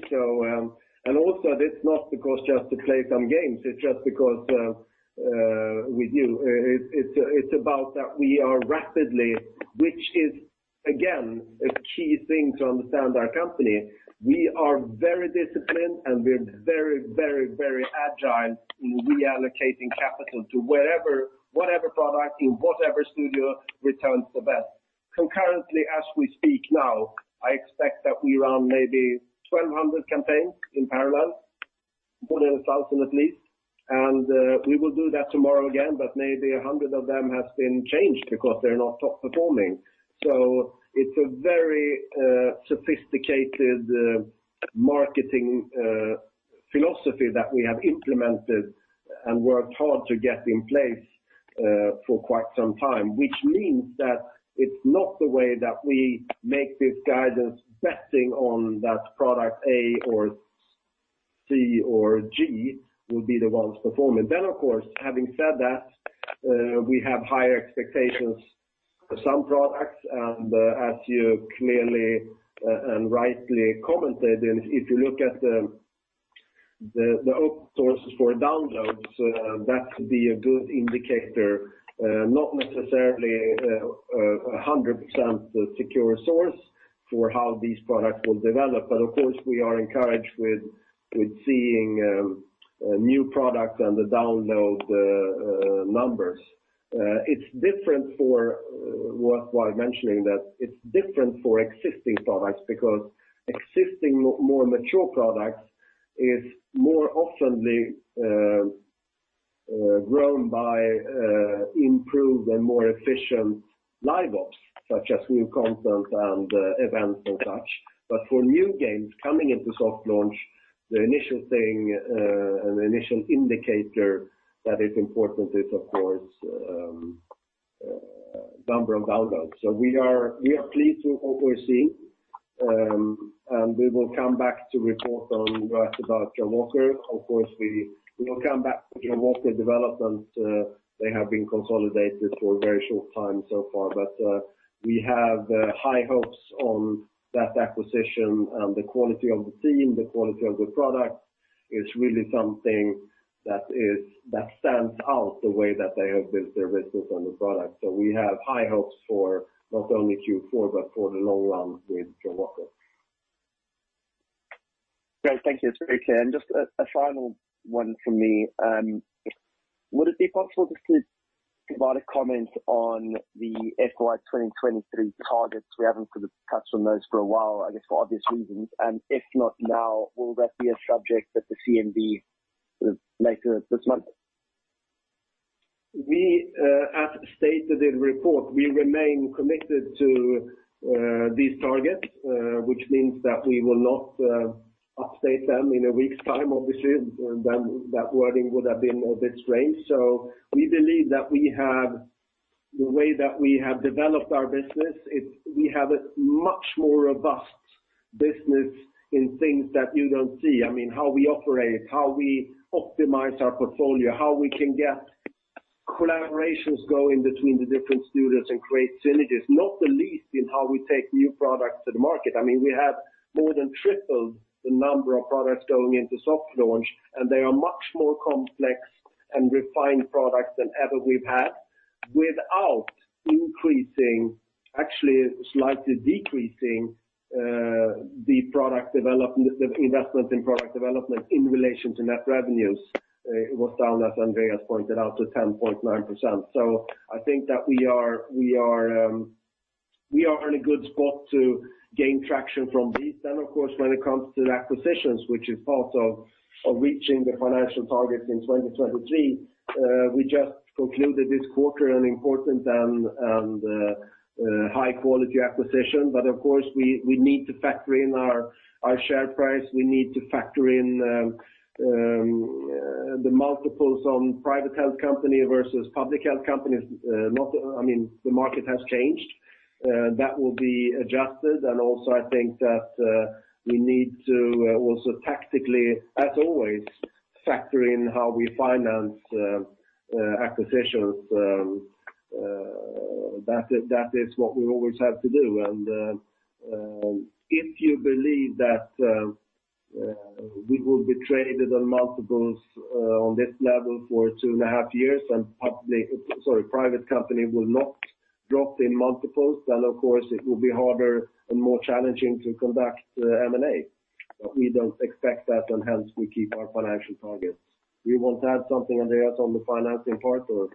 Also that's not because we just play some games, it's just because with UA. It's about that we are rapidly, which is again, a key thing to understand our company. We are very disciplined, and we're very, very, very agile in reallocating capital to whatever product in whatever studio returns the best. Concurrently as we speak now, I expect that we run maybe 1,200 campaigns in parallel, more than 1,000 at least. We will do that tomorrow again, but maybe 100 of them has been changed because they're not top performing. It's a very sophisticated marketing philosophy that we have implemented and worked hard to get in place for quite some time, which means that it's not the way that we make this guidance betting on that product A or C or G will be the ones performing. Of course, having said that, we have higher expectations for some products, and as you clearly and rightly commented, and if you look at the app sources for downloads, that could be a good indicator, not necessarily a 100% secure source for how these products will develop. Of course, we are encouraged with seeing new products and the download numbers. It's different for... Worthwhile mentioning that it's different for existing products because existing more mature products are more often grown by improved and more efficient LiveOps, such as new content and events and such. For new games coming into soft launch, the initial thing and the initial indicator that is important is of course number of downloads. We are pleased with what we're seeing and we will come back to report on Jawaker. Of course, we will come back to Jawaker development, they have been consolidated for a very short time so far. We have high hopes on that acquisition and the quality of the team, the quality of the product is really something that stands out the way that they have built their business on the product. We have high hopes for not only Q4, but for the long run with Jawaker. Great. Thank you. It's very clear. Just a final one from me. Would it be possible to provide a comment on the FY 2023 targets? We haven't sort of touched on those for a while, I guess, for obvious reasons. If not now, will that be a subject at the CMD later this month? We, as stated in report, we remain committed to these targets, which means that we will not update them in a week's time. Obviously, then that wording would have been a bit strange. We believe that the way that we have developed our business, we have a much more robust business in things that you don't see. I mean, how we operate, how we optimize our portfolio, how we can get collaborations going between the different studios and create synergies, not the least in how we take new products to the market. I mean, we have more than tripled the number of products going into soft launch, and they are much more complex and refined products than ever we've had. Without increasing, actually slightly decreasing, the investment in product development in relation to net revenues. It was down as Andreas pointed out, to 10.9%. I think that we are in a good spot to gain traction from these. Of course, when it comes to the acquisitions, which is part of reaching the financial targets in 2023, we just concluded this quarter an important and high-quality acquisition. Of course, we need to factor in our share price. We need to factor in the multiples on privately held companies versus publicly held companies. I mean, the market has changed, that will be adjusted. Also, I think that we need to also tactically, as always, factor in how we finance acquisitions. That is what we always have to do. If you believe that we will be traded on multiples on this level for two and a half years, and private company will not drop in multiples, then of course it will be harder and more challenging to conduct M&A. But we don't expect that, and hence we keep our financial targets. You want to add something, Andreas, on the financing part or?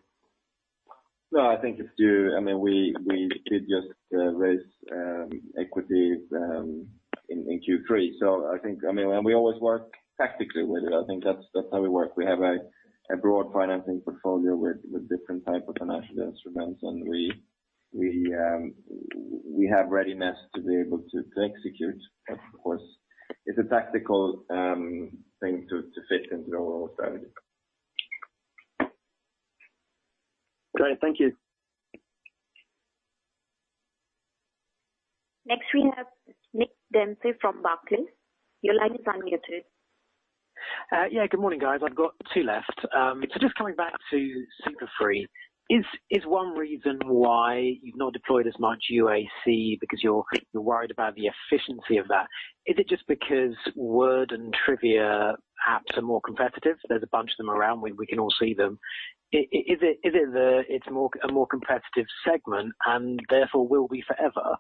No, I think it's due. I mean we did just raise equity in Q3. I think, I mean, we always work tactically with it. I think that's how we work. We have a broad financing portfolio with different type of financial instruments, and we have readiness to be able to execute. Of course, it's a tactical thing to fit into our strategy. Great. Thank you. Next, we have Nick Dempsey from Barclays. Your line is unmuted. Yeah, good morning, guys. I've got two left. Just coming back to Super Free, is one reason why you've not deployed as much UAC because you're worried about the efficiency of that? Is it just because word and trivia apps are more competitive? There's a bunch of them around, we can all see them. Is it a more competitive segment and therefore will be forever,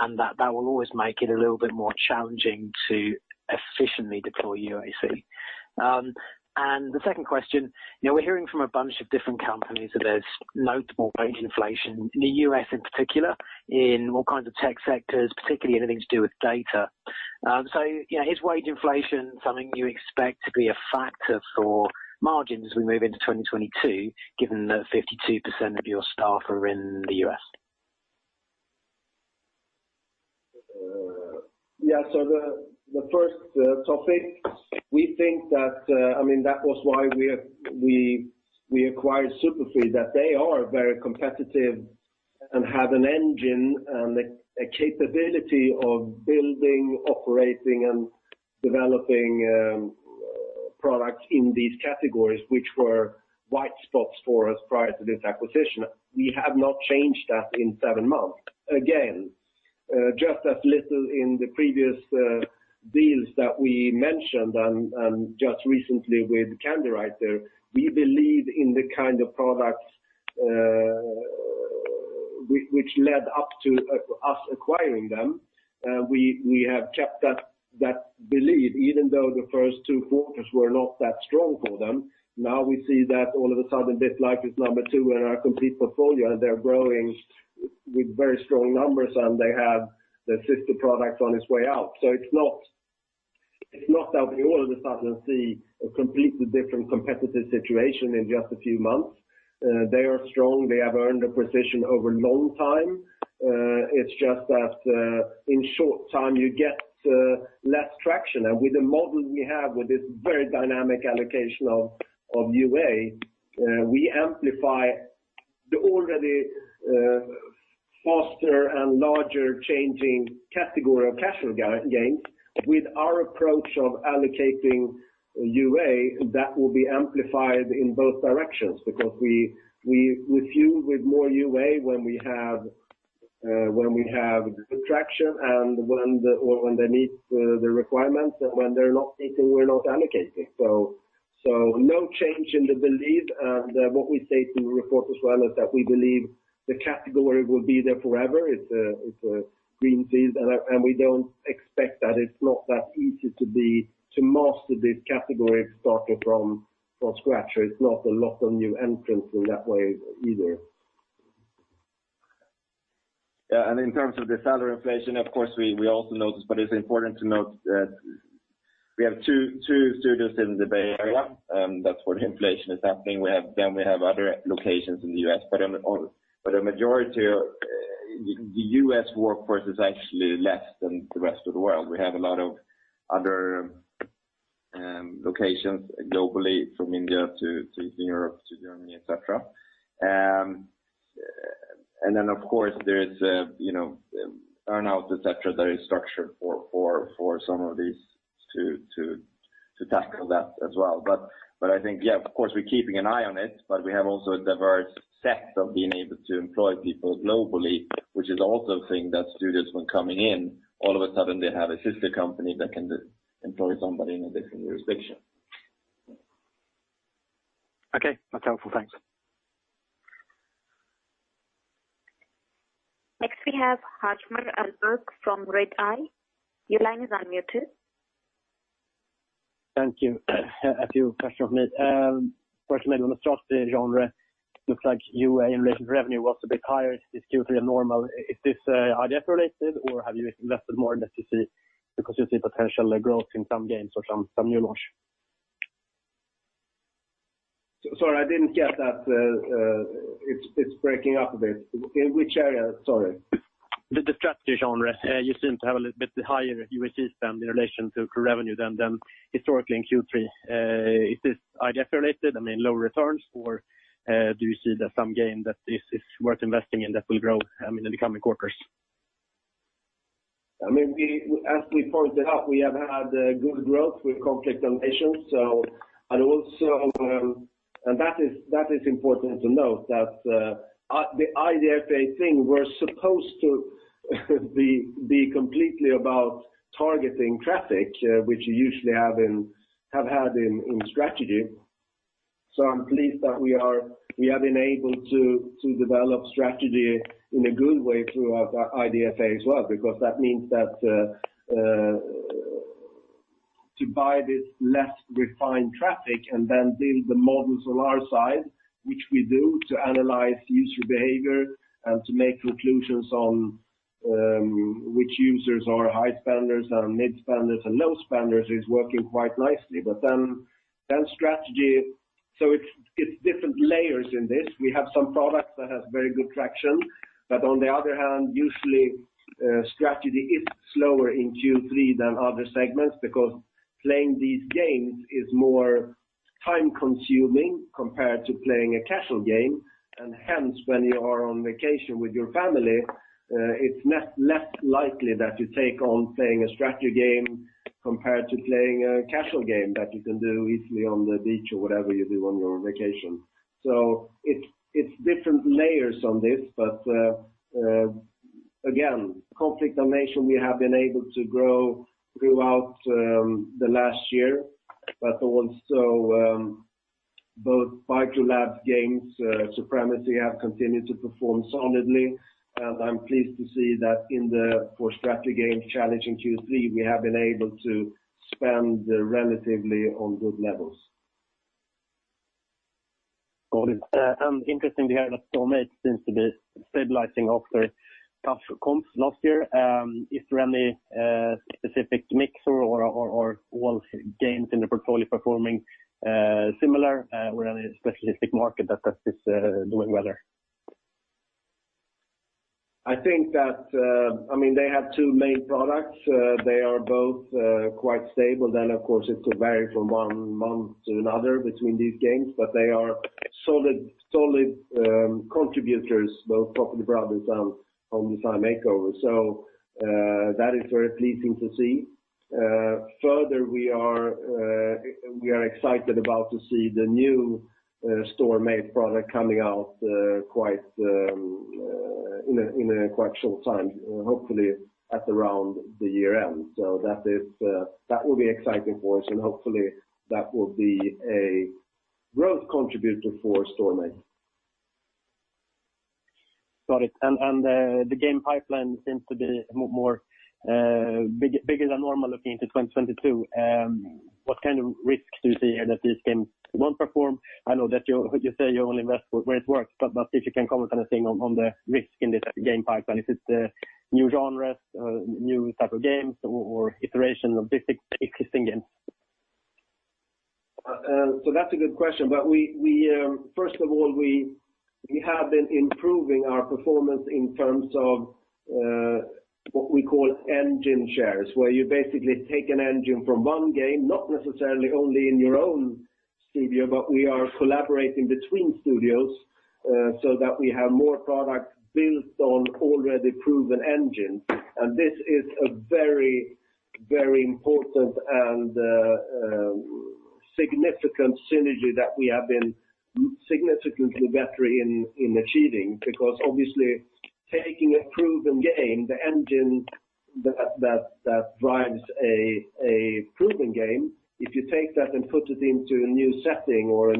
and that will always make it a little bit more challenging to efficiently deploy UAC? The second question, you know, we're hearing from a bunch of different companies that there's notable wage inflation in the U.S. in particular, in all kinds of tech sectors, particularly anything to do with data. You know, is wage inflation something you expect to be a factor for margins as we move into 2022, given that 52% of your staff are in the U.S.? The first topic we think that was why we acquired Super Free, that they are very competitive and have an engine and a capability of building, operating, and developing products in these categories, which were white spots for us prior to this acquisition. We have not changed that in seven months. Just as little in the previous deals that we mentioned and just recently with Candywriter, we believe in the kind of products which led up to us acquiring them. We have kept that belief even though the first two quarters were not that strong for them. Now we see that all of a sudden BitLife is number two in our complete portfolio, and they're growing with very strong numbers, and they have the sister product on its way out. It's not that we all of a sudden see a completely different competitive situation in just a few months. They are strong. They have earned a position over long time. It's just that in short time you get less traction. With the model we have with this very dynamic allocation of UA, we amplify the already faster and larger changing category of casual games. With our approach of allocating UA, that will be amplified in both directions because we fuel with more UA when we have good traction and when they meet the requirements, and when they're not meeting, we're not allocating. No change in the belief. What we say to the report as well is that we believe the category will be there forever. It's a green field. We don't expect that it's not that easy to master this category starting from scratch, or it's not a lot of new entrants in that way either. Yeah. In terms of the salary inflation, of course we also notice, but it's important to note that we have two studios in the Bay Area, that's where the inflation is happening. We have other locations in the U.S., but a majority of the U.S. workforce is actually less than the rest of the world. We have a lot of other locations globally from India to Europe to Germany, et cetera. Of course there is, you know, earn-out, et cetera, that is structured for some of these to tackle that as well. I think yeah, of course we're keeping an eye on it, but we have also a diverse set of being able to employ people globally, which is also a thing that studios when coming in, all of a sudden they have a sister company that can employ somebody in a different jurisdiction. Okay. That's helpful. Thanks. Next, we have Hjalmar Ahlberg from Redeye. Your line is unmuted. Thank you. A few questions from me. First maybe on the strategy genre, looks like UA in relation to revenue was a bit higher this Q3 than normal. Is this IDFA related or have you invested more in PPC because you see potential growth in some games or some new launch? Sorry, I didn't get that. It's breaking up a bit. In which area? Sorry. The strategy genre, you seem to have a little bit higher UAC spend in relation to revenue than historically in Q3. Is this IDFA related, I mean, low returns or do you see that some game that is worth investing in that will grow in the coming quarters? I mean, as we pointed out, we have had good growth with Conflict of Nations. That is important to note that the IDFA thing was supposed to be completely about targeting traffic, which you usually have had in strategy. I'm pleased that we have been able to develop strategy in a good way throughout IDFA as well, because that means that to buy this less refined traffic and then build the models on our side, which we do to analyze user behavior and to make conclusions on which users are high spenders and mid spenders and low spenders is working quite nicely. Then strategy, it's different layers in this. We have some products that has very good traction, but on the other hand, usually strategy is slower in Q3 than other segments because playing these games is more time-consuming compared to playing a casual game. Hence, when you are on vacation with your family, it's less likely that you take on playing a strategy game compared to playing a casual game that you can do easily on the beach or whatever you do on your vacation. It's different layers on this, but again, Conflict of Nations, we have been able to grow throughout the last year, but also both Bytro Labs games, Supremacy have continued to perform solidly, and I'm pleased to see that for strategy games challenge in Q3, we have been able to spend relatively on good levels. Got it. Interesting to hear that Storm8 seems to be stabilizing after tough comps last year. Is there any specific metric or all games in the portfolio performing similar, or any specific market that is doing better? I think that - I mean, they have two main products. They are both quite stable. Of course, it will vary from one month to another between these games, but they are solid contributors, both Property Brothers Home Design Makeover. That is very pleasing to see. Further, we are excited to see the new Storm8 product coming out in quite a short time, hopefully at around the year-end. That will be exciting for us, and hopefully that will be a growth contributor for Storm8. Got it. The game pipeline seems to be more bigger than normal looking into 2022. What kind of risks do you see here that these games won't perform? I know that you say you only invest where it works, but if you can comment anything on the risk in this game pipeline, is it new genres, new type of games or iteration of existing games? That's a good question. We have been improving our performance in terms of what we call engine shares, where you basically take an engine from one game, not necessarily only in your own studio, but we are collaborating between studios, so that we have more products built on already proven engine. This is a very, very important and significant synergy that we have been significantly better in achieving, because obviously taking a proven game, the engine that drives a proven game, if you take that and put it into a new setting or a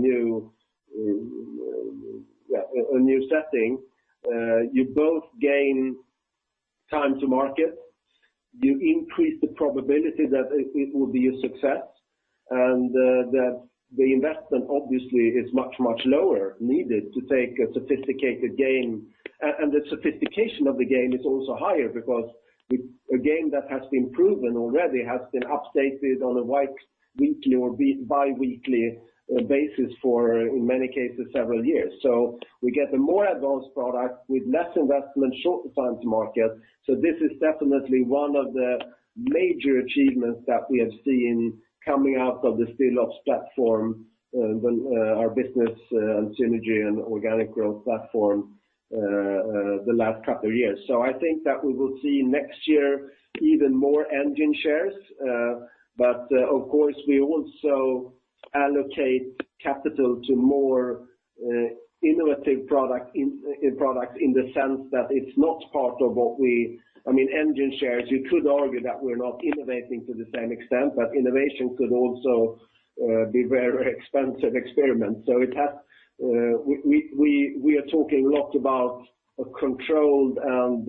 new setting, you both gain time to market, you increase the probability that it will be a success and that the investment obviously is much, much lower needed to take a sophisticated game. The sophistication of the game is also higher because with a game that has been proven already has been updated on a weekly or bi-weekly basis for, in many cases, several years. We get a more advanced product with less investment, shorter time to market. This is definitely one of the major achievements that we have seen coming out of the Stillops platform, our business synergy and organic growth platform, the last couple of years. I think that we will see next year even more engine shares. Of course, we also allocate capital to more innovative products in the sense that it's not part of engine shares. I mean engine shares, you could argue that we're not innovating to the same extent, but innovation could also be very expensive experiments. We are talking a lot about a controlled and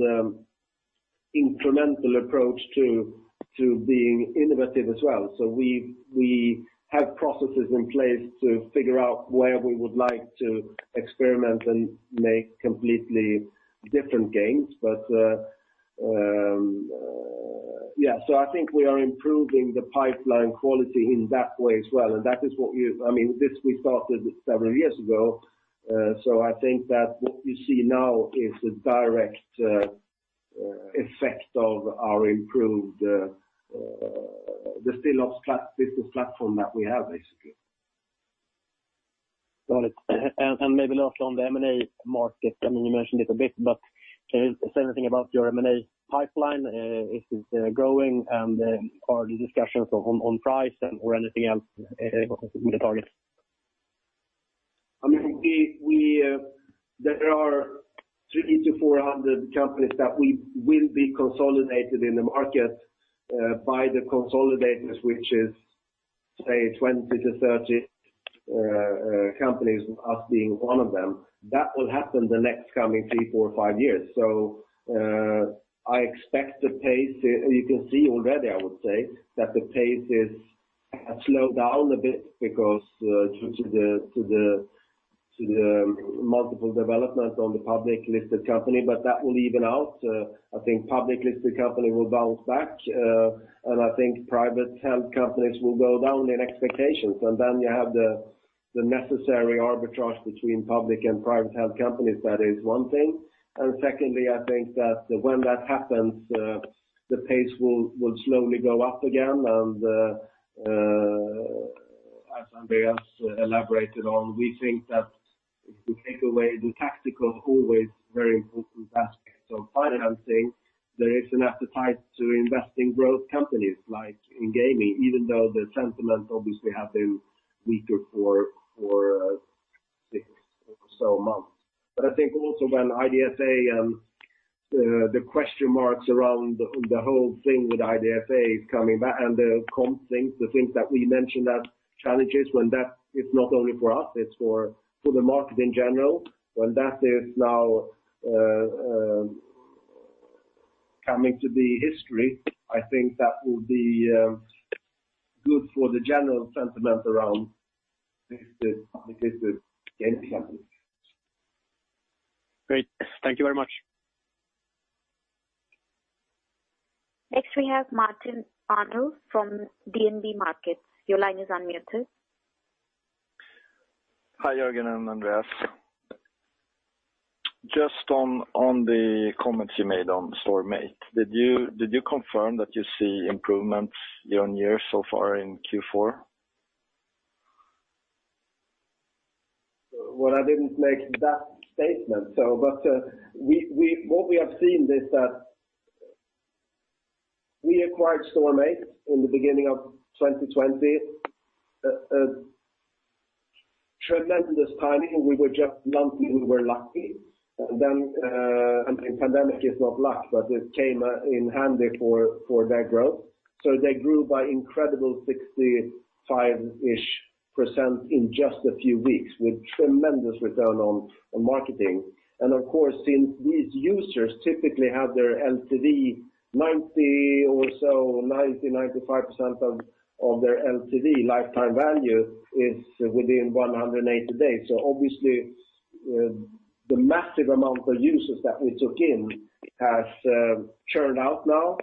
incremental approach to being innovative as well. We have processes in place to figure out where we would like to experiment and make completely different games. Yeah. I think we are improving the pipeline quality in that way as well. That is, I mean this we started several years ago. I think that what you see now is the direct effect of our improved Stillops platform that we have, basically. Got it. Maybe last on the M&A market, I mean you mentioned it a bit but can you say anything about your M&A pipeline? Is it growing, and are the discussions on price and/or anything else the targets? I mean, we there are 300-400 companies that we will be consolidated in the market by the consolidators, which is say 20-30 companies, us being one of them. That will happen the next coming three, four, five years. I expect the pace, you can see already, I would say, that the pace is slowed down a bit because due to the multiple developments on the public-listed companies, but that will even out. I think public-listed companies will bounce back and I think private-held companies will go down in expectations. Then you have the necessary arbitrage between public and private-held companies. That is one thing. Secondly, I think that when that happens, the pace will slowly go up again. As Andreas elaborated on, we think that if you take away the tactical, always very important aspects of financing, there is an appetite to invest in growth companies like in gaming, even though the sentiment obviously have been weaker for six or so months. I think also when IDFA, the question marks around the whole thing with IDFA is coming back, and the CPM things, the challenges when that is not only for us, it's for the market in general, when that is now becoming history, I think that will be good for the general sentiment around gaming. Great. Thank you very much. Next, we have Martin Arnell from DNB Markets. Your line is unmuted. Hi, Jörgen and Andreas. Just on the comments you made on Storm8. Did you confirm that you see improvements year on year so far in Q4? I didn't make that statement. What we have seen is that we acquired Storm8 in the beginning of 2020. Tremendous timing. We were just lucky. I mean, pandemic is not luck, but it came in handy for their growth. They grew by incredible 65%-ish in just a few weeks with tremendous return on marketing. Of course, since these users typically have their LTV 90 or so, 90-95% of their LTV, lifetime value, is within 180 days. Obviously, the massive amount of users that we took in has churned out now,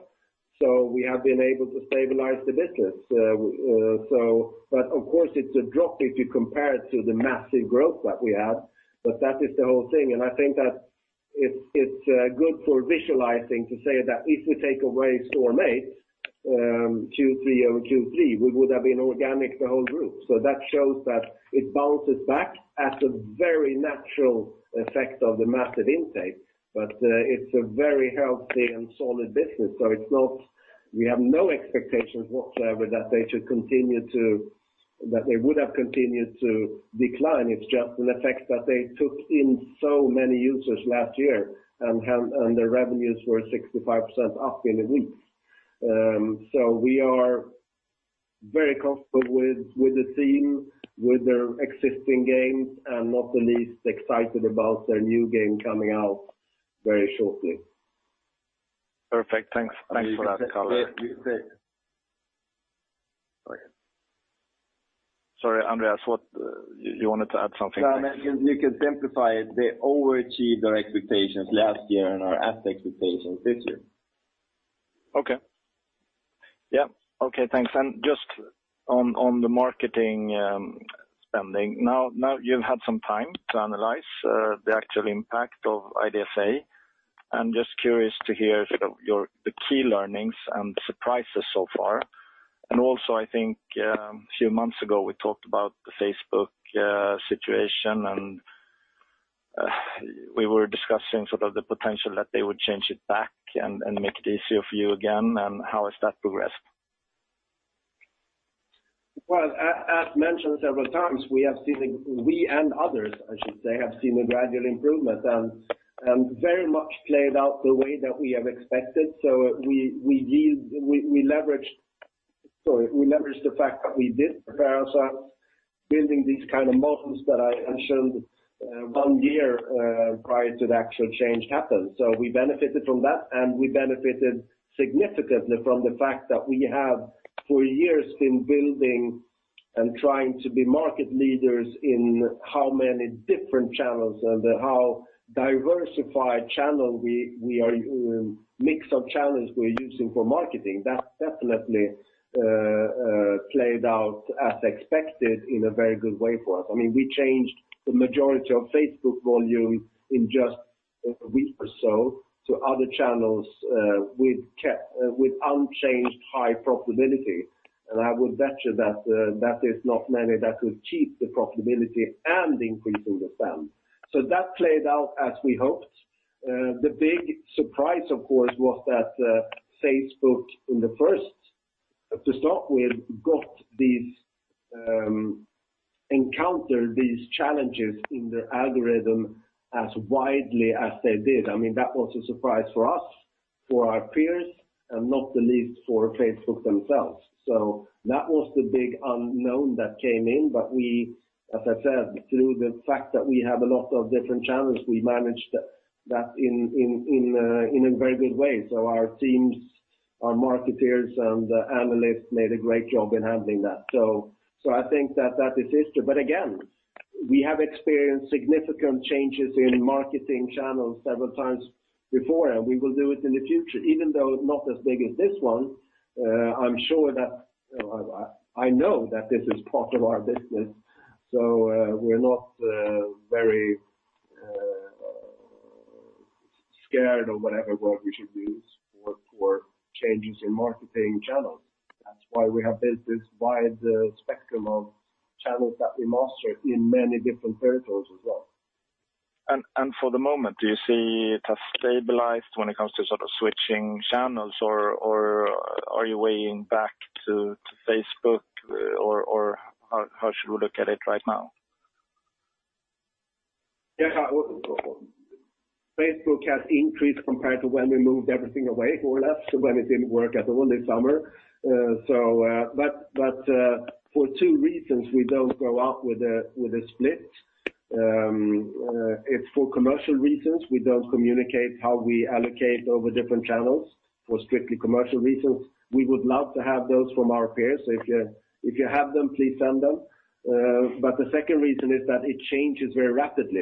so we have been able to stabilize the business. Of course, it's a drop if you compare it to the massive growth that we had, but that is the whole thing. I think that it's good for visualizing to say that if we take away Storm8, Q3 over Q3, we would have been organic the whole group. That shows that it bounces back as a very natural effect of the massive intake. It's a very healthy and solid business. It's not. We have no expectations whatsoever that they would have continued to decline. It's just an effect that they took in so many users last year and their revenues were 65% up in a week. We are very comfortable with the team, with their existing games, and not the least excited about their new game coming out very shortly. Perfect. Thanks. Thanks for that color. Yes, you said - Sorry, Andreas. What? You wanted to add something? No. I mean, you can simplify it. They overachieved their expectations last year and are at the expectations this year. Okay. Yeah. Okay, thanks. Just on the marketing spending, now you've had some time to analyze the actual impact of IDFA. I'm just curious to hear sort of your key learnings and the surprises so far. Also, I think a few months ago, we talked about the Facebook situation, and we were discussing sort of the potential that they would change it back and make it easier for you again, and how has that progressed? Well, as mentioned several times, we and others, I should say, have seen a gradual improvement very much played out the way that we have expected. We leveraged the fact that we did prepare ourselves building these kind of models that I mentioned one year prior to the actual change happened. We benefited from that, and we benefited significantly from the fact that we have for years been building and trying to be market leaders in how many different channels and how diversified mix of channels we're using for marketing. That definitely played out as expected in a very good way for us. I mean, we changed the majority of Facebook volume in just a week or so to other channels with unchanged high profitability. I would venture that that is not many that could keep the profitability and increasing the spend. That played out as we hoped. The big surprise, of course, was that Facebook, in the first off the start with, encountered these challenges in their algorithm as widely as they did. I mean, that was a surprise for us, for our peers, and not the least for Facebook themselves. That was the big unknown that came in. We, as I said, through the fact that we have a lot of different channels, we managed that in a very good way. Our teams, our marketeers and analysts made a great job in handling that. I think that is history. Again, we have experienced significant changes in marketing channels several times before, and we will do it in the future, even though not as big as this one. I'm sure that I know that this is part of our business, so we're not very scared or whatever word we should use for changes in marketing channels. That's why we have built this wide spectrum of channels that we master in many different territories as well. For the moment, do you see it has stabilized when it comes to sort of switching channels or are you weighing back to Facebook or how should we look at it right now? Yeah. Facebook has increased compared to when we moved everything away more or less, when it didn't work at all this summer. For two reasons, we don't go out with a split. It's for commercial reasons, we don't communicate how we allocate over different channels for strictly commercial reasons. We would love to have those from our peers. If you have them, please send them. The second reason is that it changes very rapidly.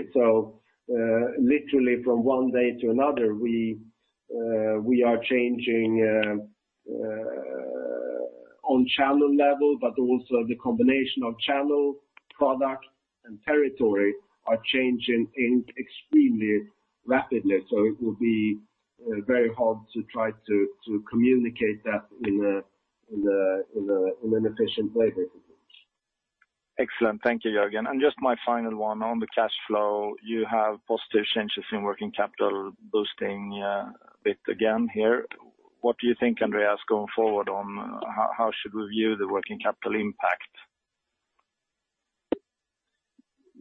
Literally from one day to another, we are changing on channel level, but also the combination of channel, product and territory are changing extremely rapidly. It will be very hard to try to communicate that in an efficient way, basically. Excellent. Thank you, Jörgen. Just my final one on the cash flow. You have positive changes in working capital boosting a bit again here. What do you think, Andreas, going forward on how should we view the working capital impact?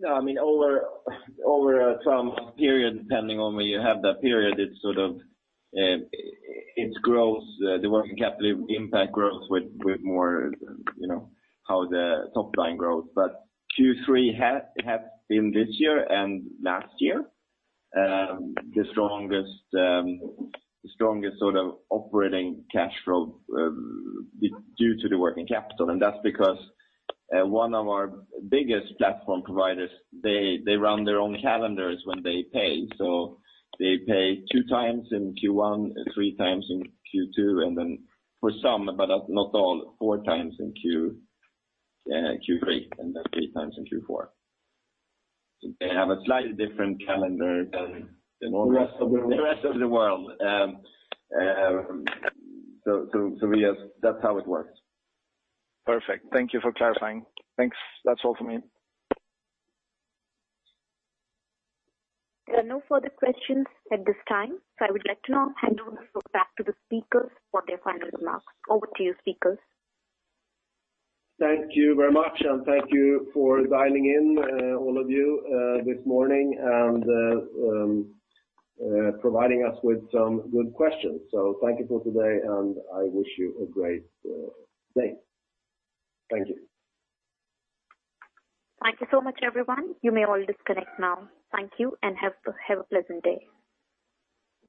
Yeah, I mean over some period, depending on where you have that period, it's sort of, it grows, the working capital impact grows with more, you know, how the top line grows. Q3 has been this year and last year, the strongest sort of operating cash flow due to the working capital. That's because one of our biggest platform providers, they run their own calendars when they pay. They pay two times in Q1, 3 times in Q2, and then for some, but not all, 4 times in Q3, and then 3 times in Q4. They have a slightly different calendar than- The rest of the world? The rest of the world. Yes, that's how it works. Perfect. Thank you for clarifying. Thanks. That's all for me. There are no further questions at this time. I would like to now hand over back to the speakers for their final remarks. Over to you, speakers. Thank you very much, and thank you for dialing in, all of you, this morning and providing us with some good questions. Thank you for today, and I wish you a great day. Thank you. Thank you so much, everyone. You may all disconnect now. Thank you and have a pleasant day.